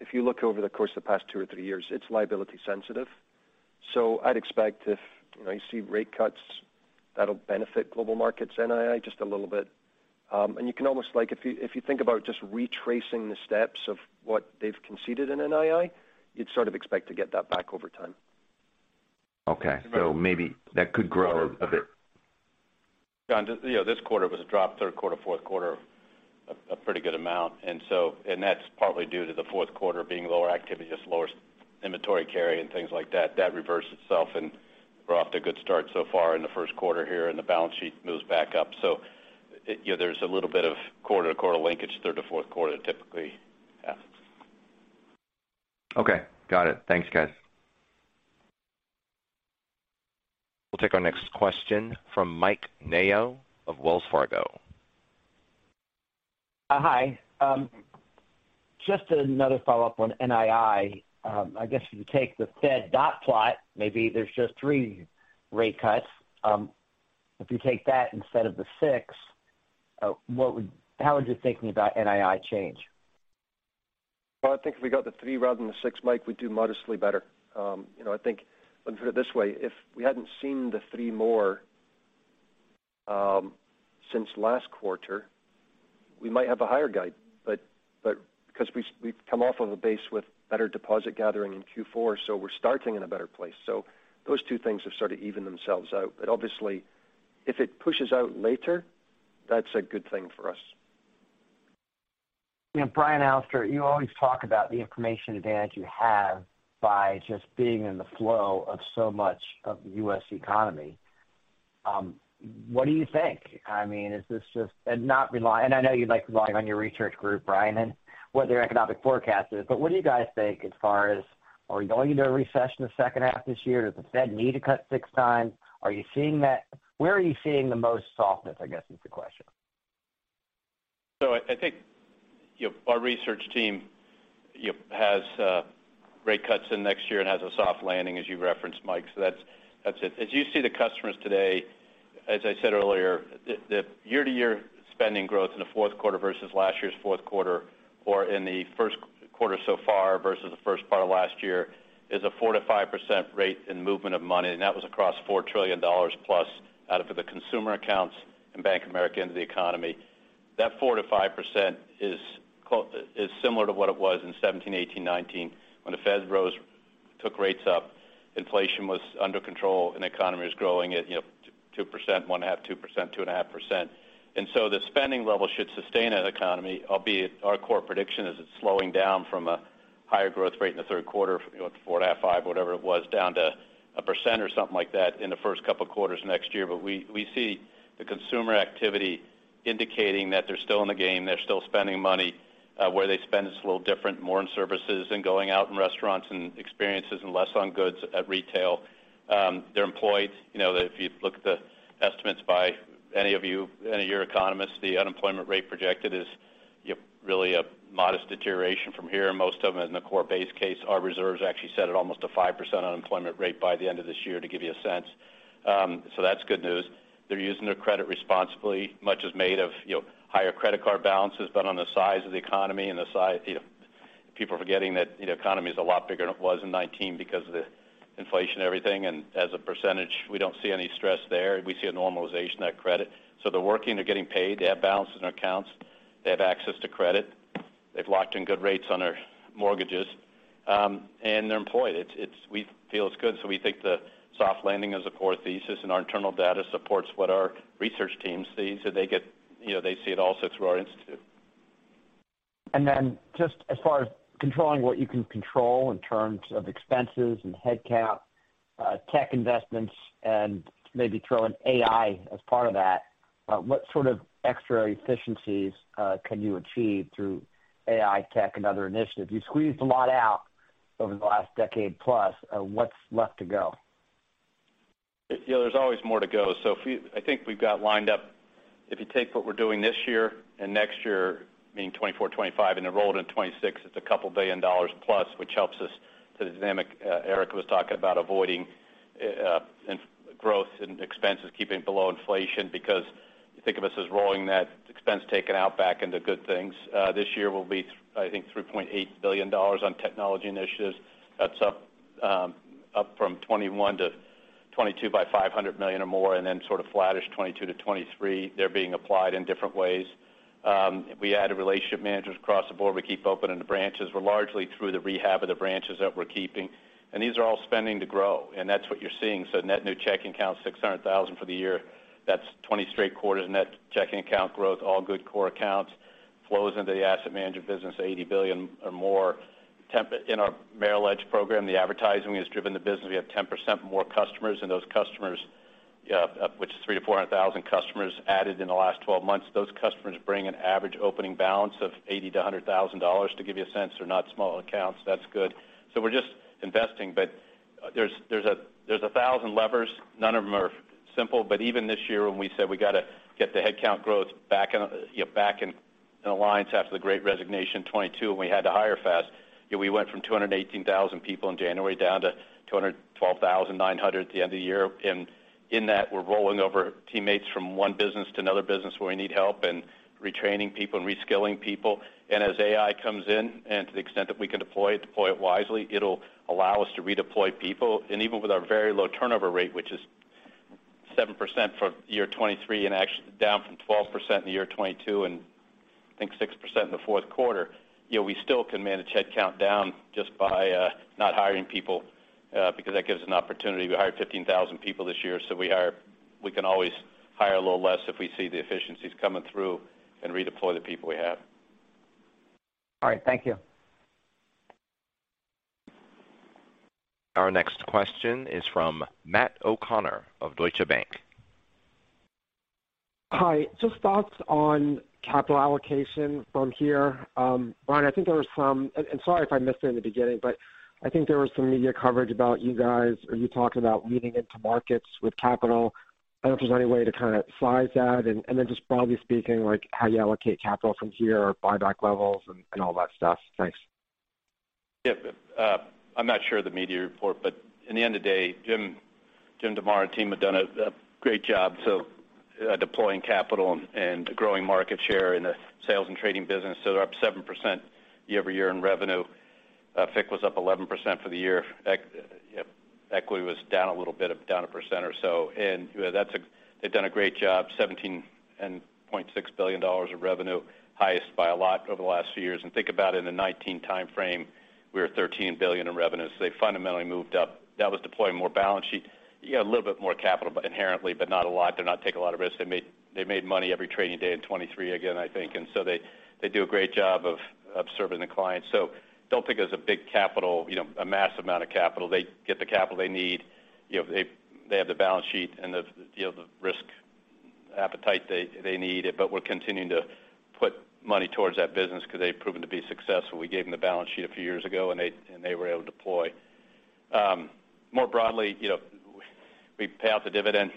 if you look over the course of the past two or three years, it's liability sensitive. So I'd expect if, you know, you see rate cuts, that'll benefit Global Markets NII just a little bit. And you can almost like if you, if you think about just retracing the steps of what they've conceded in NII, you'd sort of expect to get that back over time. Okay. So maybe that could grow a bit. John, just, you know, this quarter was a drop, third quarter, fourth quarter, a pretty good amount. And so, and that's partly due to the fourth quarter being lower activity, just lower inventory carry and things like that. That reversed itself, and we're off to a good start so far in the first quarter here, and the balance sheet moves back up. So, you know, there's a little bit of quarter to quarter linkage, third to fourth quarter typically happens. Okay, got it. Thanks, guys. We'll take our next question from Mike Mayo of Wells Fargo. Hi. Just another follow-up on NII. I guess if you take the Fed dot plot, maybe there's just three rate cuts. If you take that instead of the six, what would-how would you thinking about NII change? Well, I think if we got the three rather than the six, Mike, we'd do modestly better. You know, I think, put it this way, if we hadn't seen the three more since last quarter, we might have a higher guide, but because we've come off of a base with better deposit gathering in Q4, so we're starting in a better place. So those two things have sort of evened themselves out. But obviously, if it pushes out later, that's a good thing for us. You know, Brian, Alastair, you always talk about the information advantage you have by just being in the flow of so much of the U.S. economy. What do you think? I mean, I know you'd like to rely on your research group, Brian, and what their economic forecast is. But what do you guys think as far as, are we going into a recession the second half of this year? Does the Fed need to cut six times? Are you seeing that? Where are you seeing the most softness, I guess, is the question. So I, I think, you know, our research team, you know, has rate cuts in next year and has a soft landing, as you referenced, Mike. So that's, that's it. As you see the customers today, as I said earlier, the, the year-to-year spending growth in the fourth quarter versus last year's fourth quarter, or in the first quarter so far versus the first part of last year, is a 4%-5% rate in movement of money, and that was across $4 trillion plus out of the consumer accounts and Bank of America into the economy. That 4%-5% is similar to what it was in 2017, 2018, 2019 when the Fed rose, took rates up, inflation was under control, and the economy was growing at, you know, 2%, 1.5%, 2%, 2.5%. And so the spending level should sustain that economy, albeit our core prediction is it's slowing down from a higher growth rate in the third quarter, 4.5, 5, whatever it was, down to 1% or something like that in the first couple of quarters next year. But we see the consumer activity indicating that they're still in the game, they're still spending money. Where they spend is a little different, more in services and going out in restaurants and experiences and less on goods at retail. They're employed. You know, if you look at the estimates by any of you, any of your economists, the unemployment rate projected is yep, really a modest deterioration from here, and most of them in the core base case. Our reserves actually set at almost 5% unemployment rate by the end of this year, to give you a sense. So that's good news. They're using their credit responsibly, much is made of, you know, higher credit card balances, but on the size of the economy and the size people are forgetting that the economy is a lot bigger than it was in 2019 because of the inflation, everything. And as a percentage, we don't see any stress there. We see a normalization of that credit. So they're working, they're getting paid, they have balances in their accounts, they have access to credit, they've locked in good rates on their mortgages, and they're employed. It's, it's we feel it's good. So we think the soft landing is a core thesis, and our internal data supports what our research teams see. So they get, you know, they see it all six through our institute. And then just as far as controlling what you can control in terms of expenses and head count, tech investments, and maybe throw in AI as part of that, what sort of extra efficiencies can you achieve through AI, tech, and other initiatives? You squeezed a lot out over the last decade plus. What's left to go? Yeah, there's always more to go. So if you, I think we've got lined up, if you take what we're doing this year and next year, being 2024, 2025, and enrolled in 2026, it's a couple billion dollars plus, which helps us to the dynamic, Eric was talking about avoiding, in growth and expenses, keeping it below inflation. Because think of us as rolling that expense taken out back into good things. This year will be, I think, $3.8 billion on technology initiatives. That's up, up from 2021-2022 by $500 million or more, and then sort of flattish, 2022-2023. They're being applied in different ways. We added relationship managers across the board. We keep opening the branches. We're largely through the rehab of the branches that we're keeping, and these are all spending to grow, and that's what you're seeing. So net new checking accounts, 600,000 for the year. That's 20 straight quarters of net checking account growth, all good core accounts. Flows into the asset management business, $80 billion or more. Then in our Merrill Edge program, the advertising has driven the business. We have 10% more customers, and those customers, which is 300,000-400,000 customers added in the last 12 months. Those customers bring an average opening balance of $80,000-$100,000, to give you a sense. They're not small accounts. That's good. So we're just investing, but there's, there's a, there's a 1,000 levers. None of them are simple, but even this year, when we said we got to get the headcount growth back in, you know, back in, in balance after the Great Resignation in 2022, when we had to hire fast, we went from 218,000 people in January down to 212,900 at the end of the year. And in that, we're rolling over teammates from one business to another business where we need help and retraining people and reskilling people. And as AI comes in, and to the extent that we can deploy it, deploy it wisely, it'll allow us to redeploy people. Even with our very low turnover rate, which is 7% for year 2023, and actually down from 12% in the year 2022, and I think 6% in the fourth quarter, you know, we still can manage head count down just by not hiring people because that gives us an opportunity. We hired 15,000 people this year, so we can always hire a little less if we see the efficiencies coming through and redeploy the people we have. All right. Thank you. Our next question is from Matt O'Connor of Deutsche Bank. Hi, just thoughts on capital allocation from here. Brian, I think there was some, and sorry if I missed it in the beginning, but I think there was some media coverage about you guys, or you talking about leading into markets with capital. I don't know if there's any way to kind of size that, and, and then just broadly speaking, like, how you allocate capital from here or buyback levels and, and all that stuff. Thanks. Yep. I'm not sure of the media report, but in the end of the day, Jim DeMare and team have done a great job. So, deploying capital and growing market share in the sales and trading business. So they're up 7% year-over-year in revenue. FIC was up 11% for the year. Yeah, equity was down a little bit, down 1% or so. And, you know, that's a. They've done a great job, $17.6 billion of revenue, highest by a lot over the last few years. And think about it, in the 2019 time frame, we were $13 billion in revenue. So they fundamentally moved up. That was deploying more balance sheet. You got a little bit more capital, but inherently, but not a lot. They're not taking a lot of risk. They made, they made money every trading day in 2023, again, I think. And so they, they do a great job of, of serving the clients. So don't think there's a big capital, you know, a massive amount of capital. They get the capital they need. You know, they, they have the balance sheet and the, you know, the risk appetite they, they need, but we're continuing to put money towards that business because they've proven to be successful. We gave them the balance sheet a few years ago, and they, and they were able to deploy. More broadly, you know, we pay out the dividend.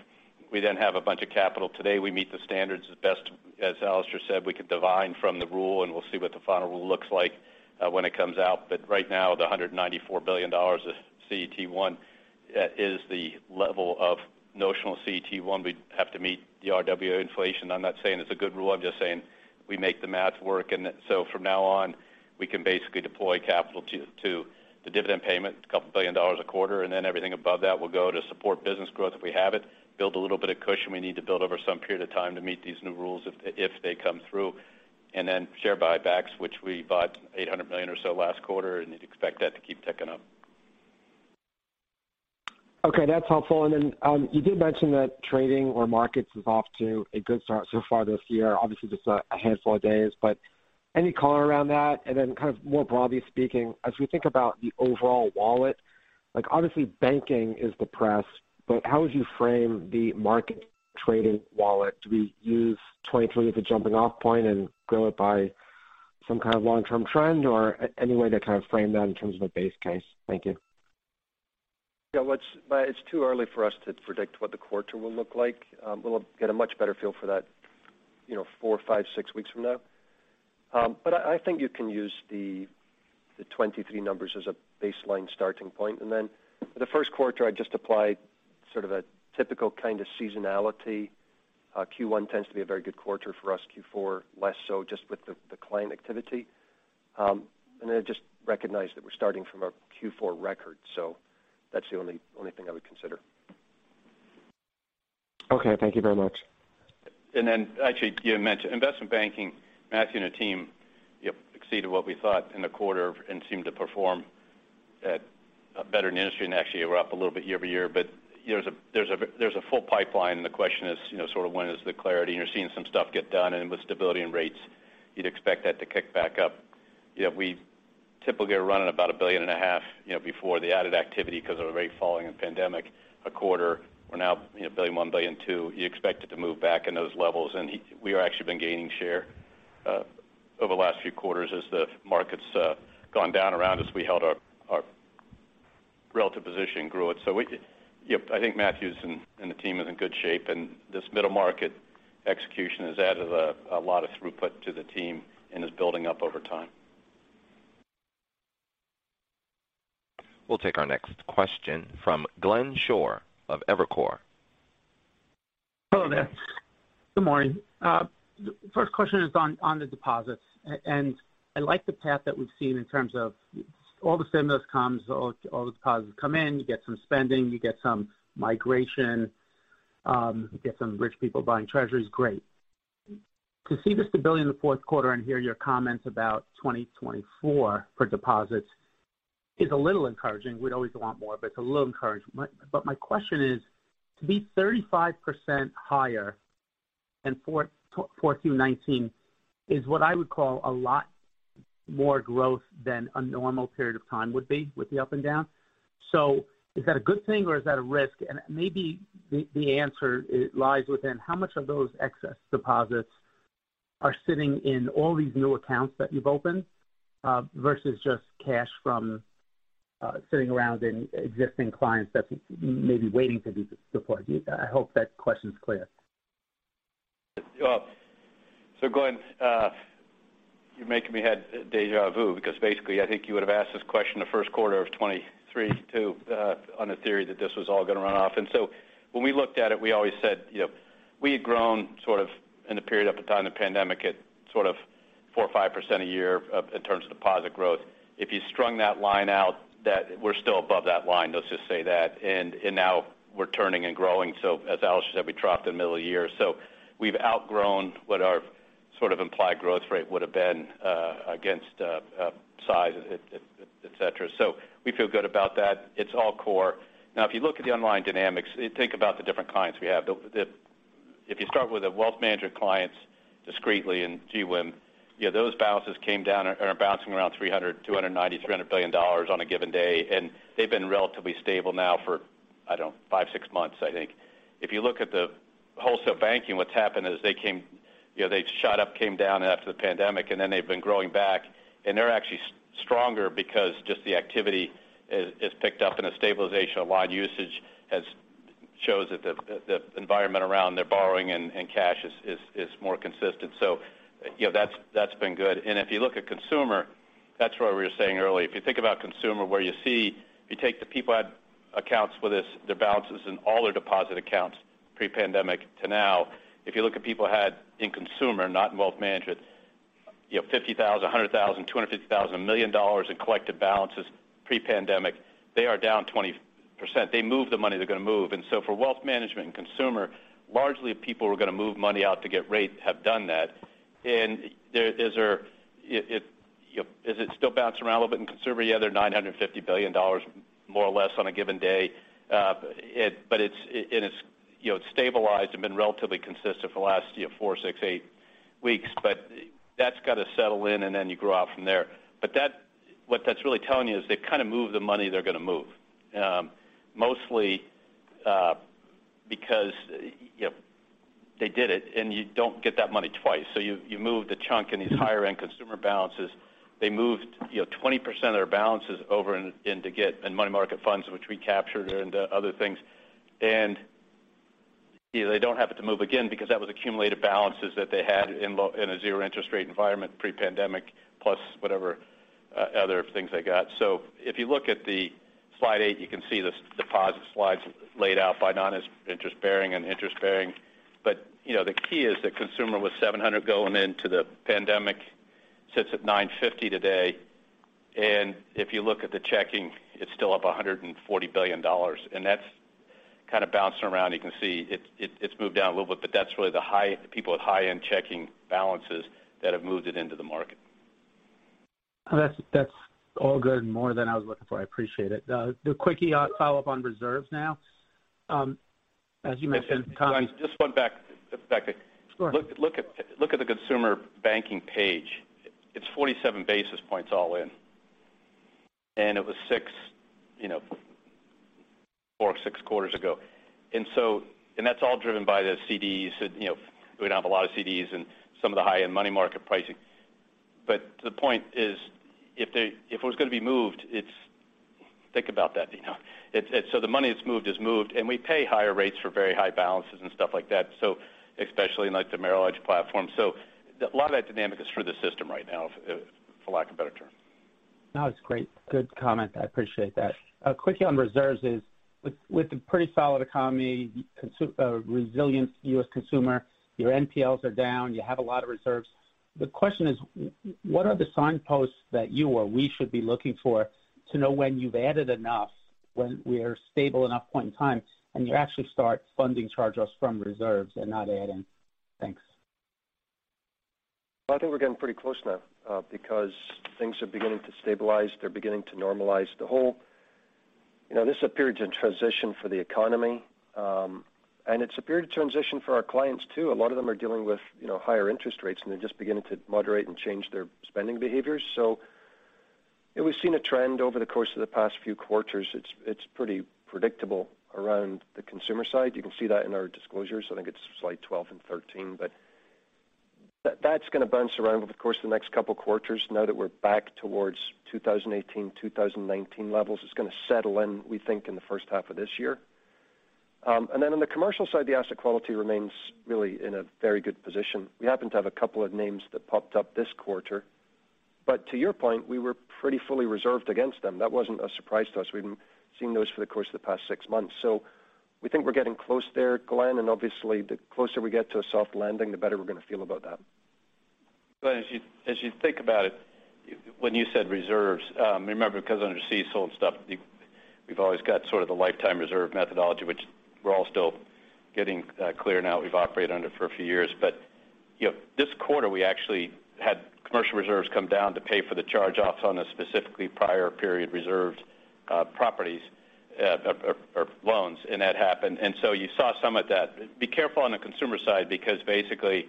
We then have a bunch of capital. Today, we meet the standards as best, as Alastair said, we could divine from the rule, and we'll see what the final rule looks like, when it comes out. But right now, the $194 billion of CET1 is the level of notional CET1. We have to meet the RWA inflation. I'm not saying it's a good rule. I'm just saying we make the math work. And so from now on, we can basically deploy capital to the dividend payment, a couple billion dollars a quarter, and then everything above that will go to support business growth if we have it, build a little bit of cushion we need to build over some period of time to meet these new rules if they come through. And then share buybacks, which we bought $800 million or so last quarter, and you'd expect that to keep ticking up. Okay, that's helpful. And then, you did mention that trading or markets is off to a good start so far this year. Obviously, just a handful of days, but any color around that? And then kind of more broadly speaking, as we think about the overall wallet, like, obviously, banking is depressed, but how would you frame the market trading wallet? Do we use 2023 as a jumping off point and grow it by some kind of long-term trend, or any way to kind of frame that in terms of a base case? Thank you. Yeah, well, it's but it's too early for us to predict what the quarter will look like. We'll get a much better feel for that, you know, four, five, six weeks from now. But I think you can use the 2023 numbers as a baseline starting point. And then for the first quarter, I just applied sort of a typical kind of seasonality. Q1 tends to be a very good quarter for us, Q4 less so, just with the client activity. And then just recognize that we're starting from a Q4 record, so that's the only thing I would consider. Okay. Thank you very much. And then actually, you mentioned investment banking. Matthew and the team, yep, exceeded what we thought in the quarter and seemed to perform at better than the industry, and actually were up a little bit year over year. But there's a full pipeline, and the question is, you know, sort of when is the clarity? And you're seeing some stuff get done, and with stability and rates, you'd expect that to kick back up. You know, we typically are running about $1.5 billion, you know, before the added activity because of the rate falling and pandemic a quarter. We're now, you know, $1.1 billion, $1.2 billion. You expect it to move back in those levels, and we are actually been gaining share over the last few quarters. As the market's gone down around us, we held our relative position and grew it. So I think Matthew and the team is in good shape, and this middle market execution has added a lot of throughput to the team and is building up over time. We'll take our next question from Glenn Schorr of Evercore. Hello there. Good morning. The first question is on the deposits. And I like the path that we've seen in terms of all the stimulus comes, all the deposits come in, you get some spending, you get some migration, you get some rich people buying Treasuries. Great. To see the stability in the fourth quarter and hear your comments about 2024 for deposits is a little encouraging. We'd always want more, but it's a little encouraging. But my question is, to be 35% higher than 4Q19 is what I would call a lot more growth than a normal period of time would be, with the up and down. So is that a good thing or is that a risk? And maybe the answer lies within how much of those excess deposits are sitting in all these new accounts that you've opened, versus just cash from sitting around in existing clients that's maybe waiting to be deployed? I hope that question is clear. Well, so Glenn, you're making me have déjà vu because basically, I think you would have asked this question the first quarter of 2023, too, on the theory that this was all going to run off. And so when we looked at it, we always said, you know, we had grown sort of in the period of time, the pandemic, at sort of 4% or 5% a year, in terms of deposit growth. If you strung that line out, that we're still above that line, let's just say that, and now we're turning and growing. So as Alastair said, we dropped in the middle of the year. So we've outgrown what our sort of implied growth rate would have been, against size, et cetera. So we feel good about that. It's all core. Now, if you look at the underlying dynamics, think about the different clients we have. If you start with the wealth management clients discreetly in GWIM, yeah, those balances came down and are bouncing around $300 billion, $290 billion, $300 billion on a given day, and they've been relatively stable now for, I don't know, five, six months, I think. If you look at the wholesale banking, what's happened is they came. You know, they shot up, came down after the pandemic, and then they've been growing back. And they're actually stronger because just the activity has picked up and a stabilization of loan usage has shown that the environment around their borrowing and cash is more consistent. So, you know, that's been good. And if you look at consumer, that's where we were saying earlier. If you think about consumer, where you see, if you take the people who had accounts with us, their balances in all their deposit accounts pre-pandemic to now, if you look at people who had in consumer, not in wealth management, you know, $50,000, $100,000, $250,000, $1 million in collective balances pre-pandemic, they are down 20%. They moved the money they're going to move. And so for wealth management and consumer, largely people who are going to move money out to get rate have done that. And there is still bouncing around a little bit in consumer? Yeah, they're $950 billion more or less on a given day. But it's, and it's, you know, stabilized and been relatively consistent for the last, you know, four, six, eight weeks. But that's got to settle in and then you grow out from there. But what that's really telling you is they've kind of moved the money they're going to move, mostly, because, you know, they did it, and you don't get that money twice. So you moved a chunk in these higher-end consumer balances. They moved, you know, 20% of their balances over into CDs and money market funds, which we captured, and other things. And, you know, they don't have it to move again because that was accumulated balances that they had in a zero interest rate environment pre-pandemic, plus whatever other things they got. So if you look at slide eight, you can see the deposit slides laid out by noninterest-bearing and interest-bearing. But, you know, the key is that consumer with $700 billion going into the pandemic, sits at $950 billion today. If you look at the checking, it's still up $140 billion, and that's kind of bouncing around, you can see it's, it's moved down a little bit, but that's really the high people with high-end checking balances that have moved it into the market. That's, that's all good and more than I was looking for. I appreciate it. The quickie follow-up on reserves now. As you mentioned. Just one back to. Sure. Look, look at, look at the consumer banking page. It's 47 basis points all in, and it was 60, you know, four or six quarters ago. And so and that's all driven by the CDs, you know, we have a lot of CDs and some of the high-end money market pricing. But the point is, if they, if it was going to be moved, it's, think about that, you know. It's, so the money that's moved is moved, and we pay higher rates for very high balances and stuff like that, so especially in, like, the Merrill Edge platform. So a lot of that dynamic is through the system right now, for lack of a better term. Now it's great. Good comment. I appreciate that. Quickly on reserves is, with the pretty solid economy, resilient U.S. consumer, your NPLs are down, you have a lot of reserves. The question is: What are the signposts that you or we should be looking for to know when you've added enough, when we are stable enough point in time, and you actually start funding charge-offs from reserves and not adding? Thanks. I think we're getting pretty close now, because things are beginning to stabilize. They're beginning to normalize. The whole, you know, this is a period of transition for the economy, and it's a period of transition for our clients, too. A lot of them are dealing with, you know, higher interest rates, and they're just beginning to moderate and change their spending behaviors. So we've seen a trend over the course of the past few quarters. It's, it's pretty predictable around the consumer side. You can see that in our disclosures. I think it's slide 12 and 13. But that's going to bounce around over the course of the next couple of quarters. Now that we're back towards 2018, 2019 levels, it's going to settle in, we think, in the first half of this year. And then on the commercial side, the asset quality remains really in a very good position. We happen to have a couple of names that popped up this quarter, but to your point, we were pretty fully reserved against them. That wasn't a surprise to us. We've been seeing those for the course of the past six months. So we think we're getting close there, Glenn, and obviously, the closer we get to a soft landing, the better we're going to feel about that. But as you think about it, when you said reserves, remember, because under CECL and stuff, we've always got sort of the lifetime reserve methodology, which we're all still getting clear now. We've operated under it for a few years. But, you know, this quarter, we actually had commercial reserves come down to pay for the charge-offs on the specifically prior period reserves, properties, or loans, and that happened. And so you saw some of that. Be careful on the consumer side because basically,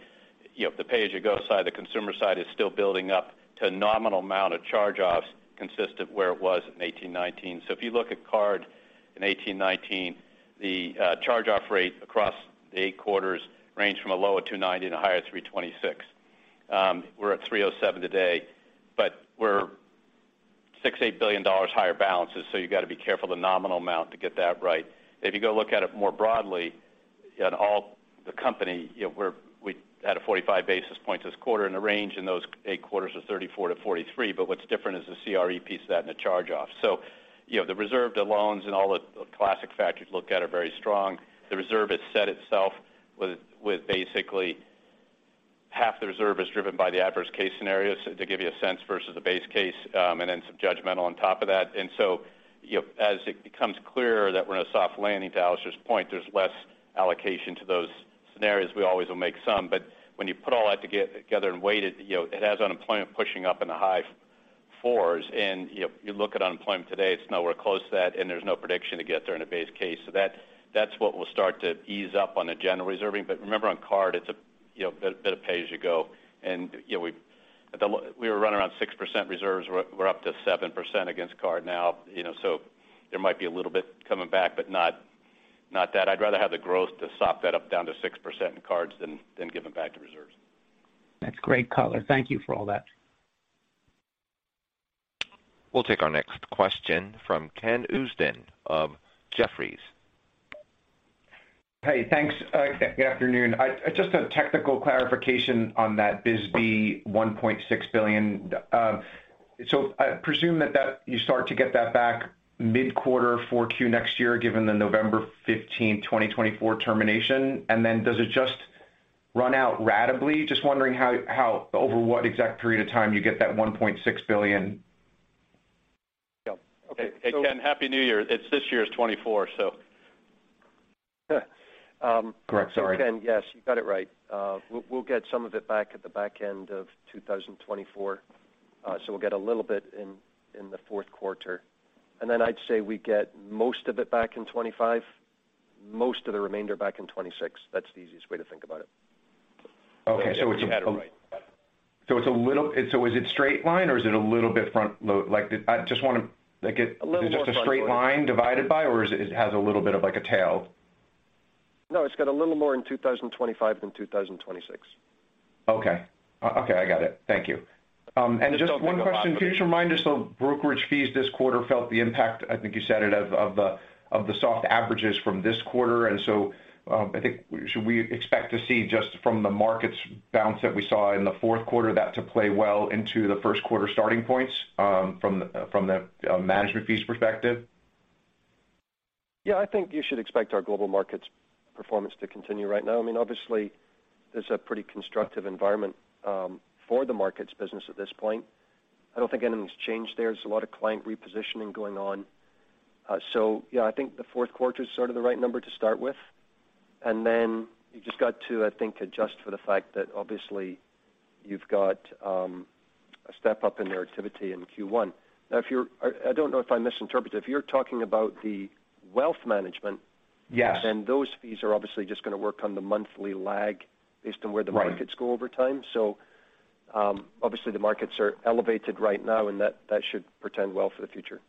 you know, the pay as you go side, the consumer side is still building up to a nominal amount of charge-offs consistent where it was in 2018, 2019. So if you look at card in 2018, 2019, the charge-off rate across the 8 quarters range from a low of 2.90 to a high of 3.26. We're at 307 today, but we're $6 billion-$8 billion higher balances, so you got to be careful the nominal amount to get that right. If you go look at it more broadly, in all the company, you know, we're, we had 45 basis points this quarter, and the range in those eight quarters was 34-43. But what's different is the CRE piece of that and the charge-off. So, you know, the reserve, the loans, and all the classic factors look at are very strong. The reserve is set itself with, with basically half the reserve is driven by the adverse case scenario. So to give you a sense versus the base case, and then some judgmental on top of that. So, you know, as it becomes clearer that we're in a soft landing, to Alastair's point, there's less allocation to those scenarios. We always will make some, but when you put all that together and weight it, you know, it has unemployment pushing up in the high force, and, you know, you look at unemployment today, it's nowhere close to that, and there's no prediction to get there in a base case. So that, that's what will start to ease up on the general reserving. But remember, on card, it's a, you know, bit of pay as you go. And, you know, we were running around 6% reserves. We're up to 7% against card now, you know, so there might be a little bit coming back, but not, not that. I'd rather have the growth to soak that up down to 6% in cards than give them back to reserves. That's great color. Thank you for all that. We'll take our next question from Ken Usdin of Jefferies. Hey, thanks. Good afternoon. It's just a technical clarification on that BSBY $1.6 billion. So I presume that, that you start to get that back mid-Q4 next year, given the November 15, 2024 termination. And then does it just run out ratably? Just wondering how over what exact period of time you get that $1.6 billion. Yeah. Okay. Hey, Ken, Happy New Year. It's this year's 2024. Correct. Sorry. Ken, yes, you got it right. We'll, we'll get some of it back at the back end of 2024. So we'll get a little bit in the fourth quarter. And then I'd say we get most of it back in 2025, most of the remainder back in 2026. That's the easiest way to think about it. Okay, so is it straight line, or is it a little bit front load? Like, I just want to get. A little more front load. Just a straight line divided by, or is it? It has a little bit of like a tail? No, it's got a little more in 2025 than 2026. Okay. Okay, I got it. Thank you. And just one question, can you just remind us, though, brokerage fees this quarter felt the impact, I think you said it, of the soft averages from this quarter. And so, I think should we expect to see just from the markets bounce that we saw in the fourth quarter, that to play well into the first quarter starting points, from the management fees perspective? Yeah, I think you should expect our Global Markets performance to continue right now. I mean, obviously, there's a pretty constructive environment for the markets business at this point. I don't think anything's changed there. There's a lot of client repositioning going on. So yeah, I think the fourth quarter is sort of the right number to start with. And then you've just got to, I think, adjust for the fact that obviously you've got a step up in their activity in Q1. Now, if you're, I don't know if I misinterpreted. If you're talking about the Wealth Management. Yes. Then those fees are obviously just going to work on the monthly lag based on where the markets go over time. So, obviously, the markets are elevated right now, and that, that should portend well for the future.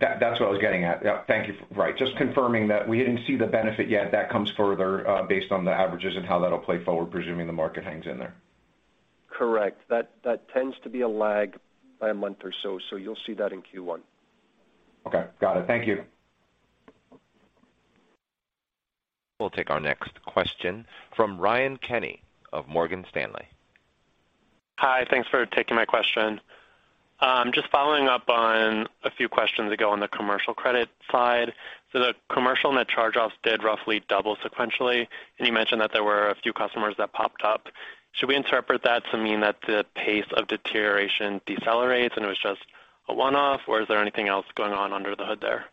That, that's what I was getting at. Yeah, thank you. Right. Just confirming that we didn't see the benefit yet. That comes further, based on the averages and how that'll play forward, presuming the market hangs in there. Correct. That tends to be a lag by a month or so, so you'll see that in Q1. Okay, got it. Thank you. We'll take our next question from Ryan Kenny of Morgan Stanley. Hi, thanks for taking my question. Just following up on a few questions ago on the commercial credit side. So the commercial net charge-offs did roughly double sequentially, and you mentioned that there were a few customers that popped up. Should we interpret that to mean that the pace of deterioration decelerates and it was just a one-off, or is there anything else going on under the hood there?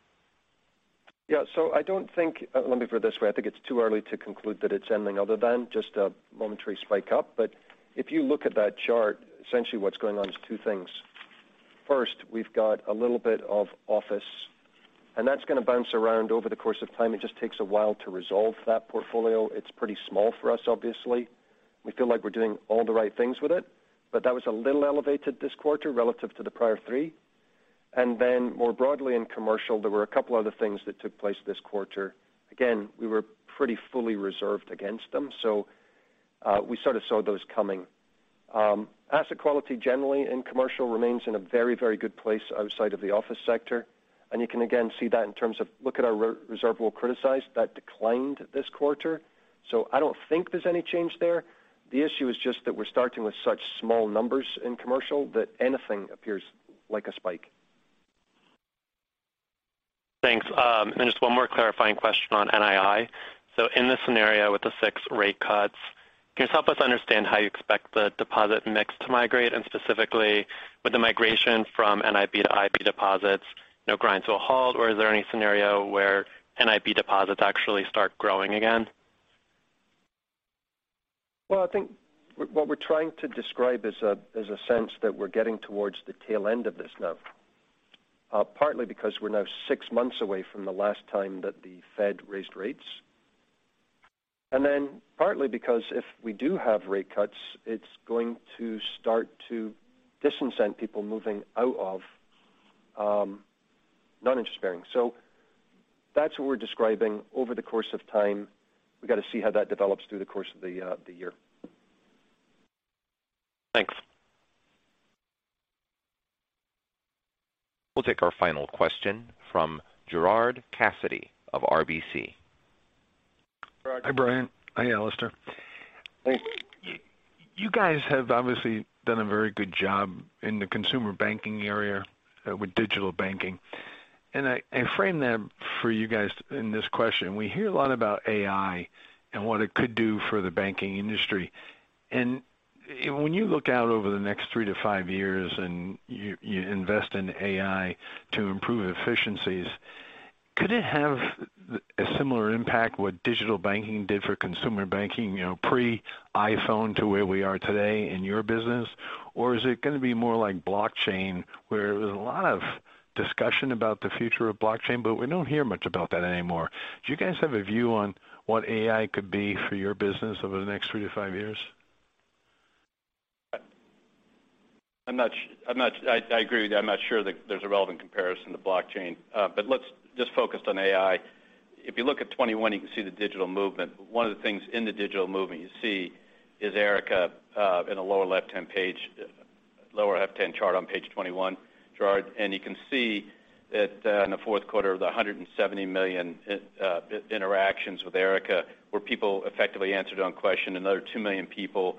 Yeah, so I don't think, let me put it this way: I think it's too early to conclude that it's anything other than just a momentary spike up. But if you look at that chart, essentially what's going on is two things. First, we've got a little bit of office, and that's going to bounce around over the course of time. It just takes a while to resolve that portfolio. It's pretty small for us, obviously. We feel like we're doing all the right things with it, but that was a little elevated this quarter relative to the prior three. And then more broadly in commercial, there were a couple other things that took place this quarter. Again, we were pretty fully reserved against them, so we sort of saw those coming. Asset quality, generally in commercial, remains in a very, very good place outside of the office sector. You can again see that in terms of look at our reserves, well, criticized, that declined this quarter. I don't think there's any change there. The issue is just that we're starting with such small numbers in commercial that anything appears like a spike. Thanks. And just one more clarifying question on NII. So in this scenario, with the six rate cuts, can you help us understand how you expect the deposit mix to migrate? And specifically, with the migration from NIB to IB deposits, you know, grind to a halt, or is there any scenario where NIB deposits actually start growing again? Well, I think what we're trying to describe is a sense that we're getting towards the tail end of this now, partly because we're now six months away from the last time that the Fed raised rates. And then partly because if we do have rate cuts, it's going to start to dissident people moving out of non-interest bearing. So that's what we're describing over the course of time. We've got to see how that develops through the course of the year. Thanks. We'll take our final question from Gerard Cassidy of RBC. Hi, Brian. Hi, Alastair. Hi. You guys have obviously done a very good job in the consumer banking area with digital banking, and I frame that for you guys in this question. We hear a lot about AI and what it could do for the banking industry. And when you look out over the next three to five years and you invest in AI to improve efficiencies, could it have a similar impact what digital banking did for consumer banking, you know, pre-iPhone to where we are today in your business? Or is it going to be more like blockchain, where there's a lot of discussion about the future of blockchain, but we don't hear much about that anymore. Do you guys have a view on what AI could be for your business over the next three to five years? I agree with you. I'm not sure that there's a relevant comparison to blockchain. But let's just focus on AI. If you look at 21, you can see the digital movement. One of the things in the digital movement you see is Erica, in the lower left-hand page, lower left-hand chart on page 21, Gerard. And you can see that, in the fourth quarter, 170 million interactions with Erica, where people effectively answered one question, another two million people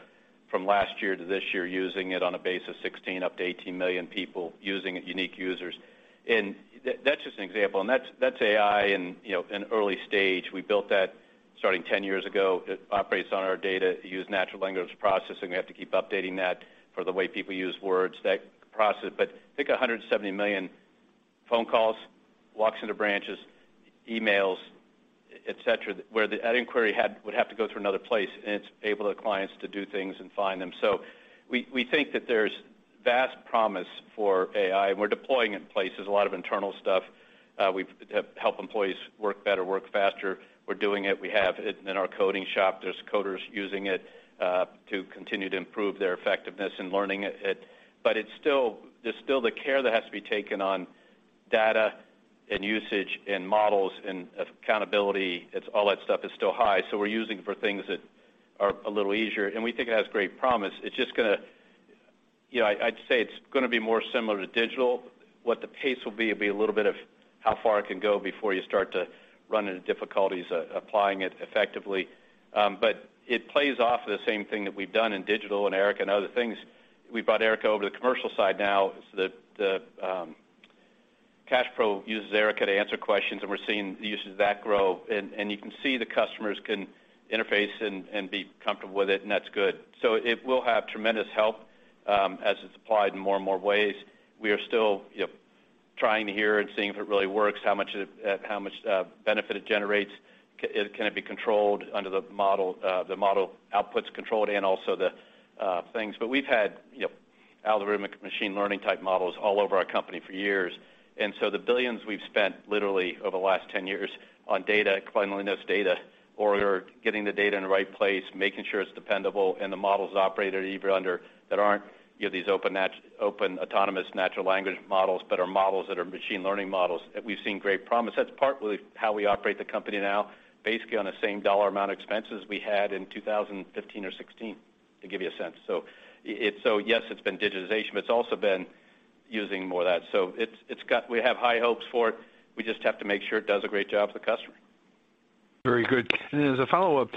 from last year to this year using it on a base of 16, up to 18 million people using it, unique users. And that's just an example, and that's, that's AI in, you know, an early stage. We built that starting 10 years ago. It operates on our data, uses natural language processing. We have to keep updating that for the way people use words, that process. But think 170 million phone calls, walks into branches, emails, et cetera, where that inquiry would have to go through another place, and it's able the clients to do things and find them. So we, we think that there's vast promise for AI, and we're deploying it in places, a lot of internal stuff. We've to help employees work better, work faster. We're doing it. We have it in our coding shop. There's coders using it to continue to improve their effectiveness in learning it. But it's still there's still the care that has to be taken on data and usage and models and accountability. It's all that stuff is still high, so we're using it for things that are a little easier, and we think it has great promise. It's just going to, I'd say it's going to be more similar to digital. What the pace will be, it'll be a little bit of how far it can go before you start to run into difficulties applying it effectively. But it plays off of the same thing that we've done in digital and Erica and other things. We brought Erica over to the commercial side now, so that the CashPro uses Erica to answer questions, and we're seeing the usage of that grow. And, and you can see the customers can interface and, and be comfortable with it, and that's good. So it will have tremendous help as it's applied in more and more ways. We are still, you know, trying to hear and seeing if it really works, how much, how much, benefit it generates. Can it be controlled under the model, the model outputs controlled, and also the, things. But we've had, you know, algorithmic machine learning-type models all over our company for years. And so the billions we've spent literally over the last 10 years on data, cleanliness data, or getting the data in the right place, making sure it's dependable and the models operate either under that aren't, you know, these open, open, autonomous natural language models, but are models that are machine learning models, and we've seen great promise. That's partly how we operate the company now, basically on the same dollar amount of expenses we had in 2015 or 2016, to give you a sense. So it's so yes, it's been digitization, but it's also been using more of that. So it's, it's got. We have high hopes for it. We just have to make sure it does a great job for the customer. Very good. And as a follow-up,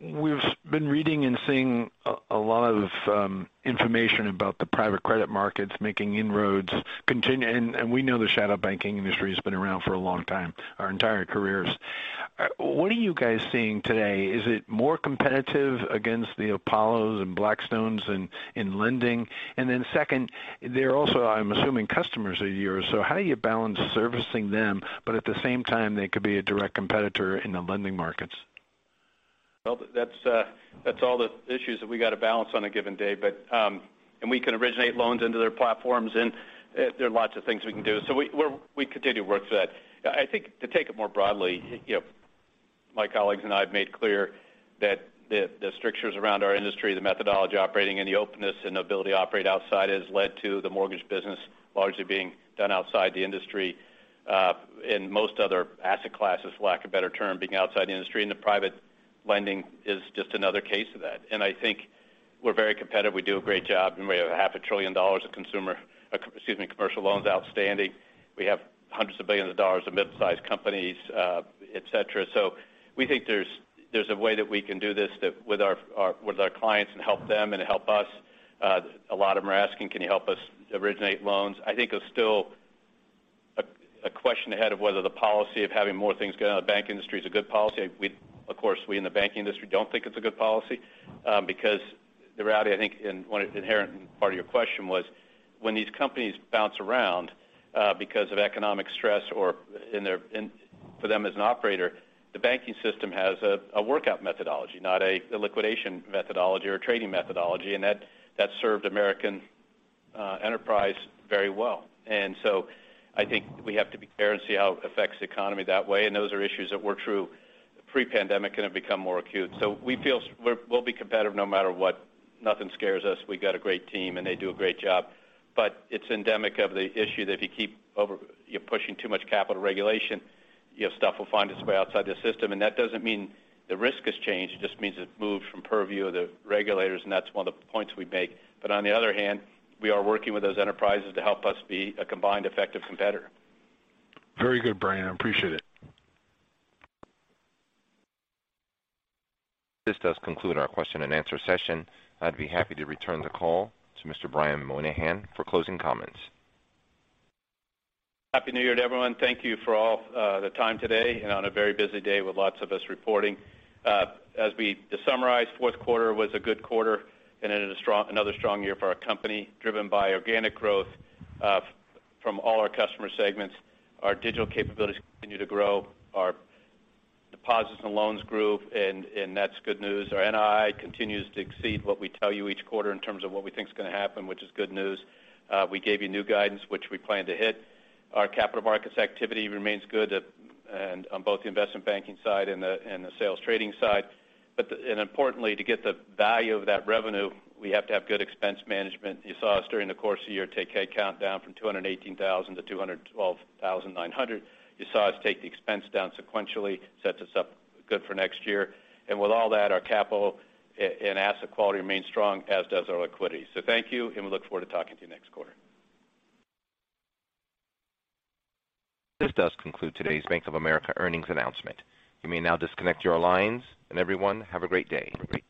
we've been reading and seeing a lot of information about the private credit markets making inroads continue, and we know the shadow banking industry has been around for a long time, our entire careers. What are you guys seeing today? Is it more competitive against the Apollos and Blackstones in lending? And then second, they're also, I'm assuming, customers of yours. So how do you balance servicing them, but at the same time, they could be a direct competitor in the lending markets? Well, that's all the issues that we got to balance on a given day. But, and we can originate loans into their platforms, and, there are lots of things we can do. So we continue to work through that. I think to take it more broadly, you know, my colleagues and I have made clear that the strictures around our industry, the methodology operating and the openness and ability to operate outside, has led to the mortgage business largely being done outside the industry, and most other asset classes, for lack of a better term, being outside the industry. And the private lending is just another case of that. And I think we're very competitive. We do a great job, and we have $500 billion of consumer, excuse me, commercial loans outstanding. We have hundreds of billion dollars of mid-sized companies, etc. So we think there's, there's a way that we can do this, that with our, our, with our clients and help them and help us. A lot of them are asking: "Can you help us originate loans?" I think it's still a, a question ahead of whether the policy of having more things going on in the bank industry is a good policy. We, of course, we in the banking industry don't think it's a good policy, because the reality, I think, and one inherent part of your question was, when these companies bounce around, because of economic stress or in for them as an operator, the banking system has a, a workout methodology, not a liquidation methodology or trading methodology, and that, that served American, enterprise very well. And so I think we have to be clear and see how it affects the economy that way, and those are issues that were true pre-pandemic and have become more acute. So we feel we'll be competitive no matter what. Nothing scares us. We got a great team, and they do a great job. But it's endemic of the issue that if you keep over-regulating, you're pushing too much capital regulation, you know, stuff will find its way outside the system. And that doesn't mean the risk has changed. It just means it's moved from purview of the regulators, and that's one of the points we make. But on the other hand, we are working with those enterprises to help us be a combined effective competitor. Very good, Brian. I appreciate it. This does conclude our question and answer session. I'd be happy to return the call to Mr. Brian Moynihan for closing comments. Happy New Year to everyone. Thank you for all the time today and on a very busy day with lots of us reporting. To summarize, fourth quarter was a good quarter and ended another strong year for our company, driven by organic growth from all our customer segments. Our digital capabilities continue to grow. Our deposits and loans grew, and that's good news. Our NII continues to exceed what we tell you each quarter in terms of what we think is going to happen, which is good news. We gave you new guidance, which we plan to hit. Our capital markets activity remains good, and on both the investment banking side and the sales trading side. And importantly, to get the value of that revenue, we have to have good expense management. You saw us during the course of the year, take head count down from 218,000 to 212,900. You saw us take the expense down sequentially, sets us up good for next year. And with all that, our capital and asset quality remains strong, as does our liquidity. So thank you, and we look forward to talking to you next quarter. This does conclude today's Bank of America earnings announcement. You may now disconnect your lines, and everyone, have a great day. Thank you.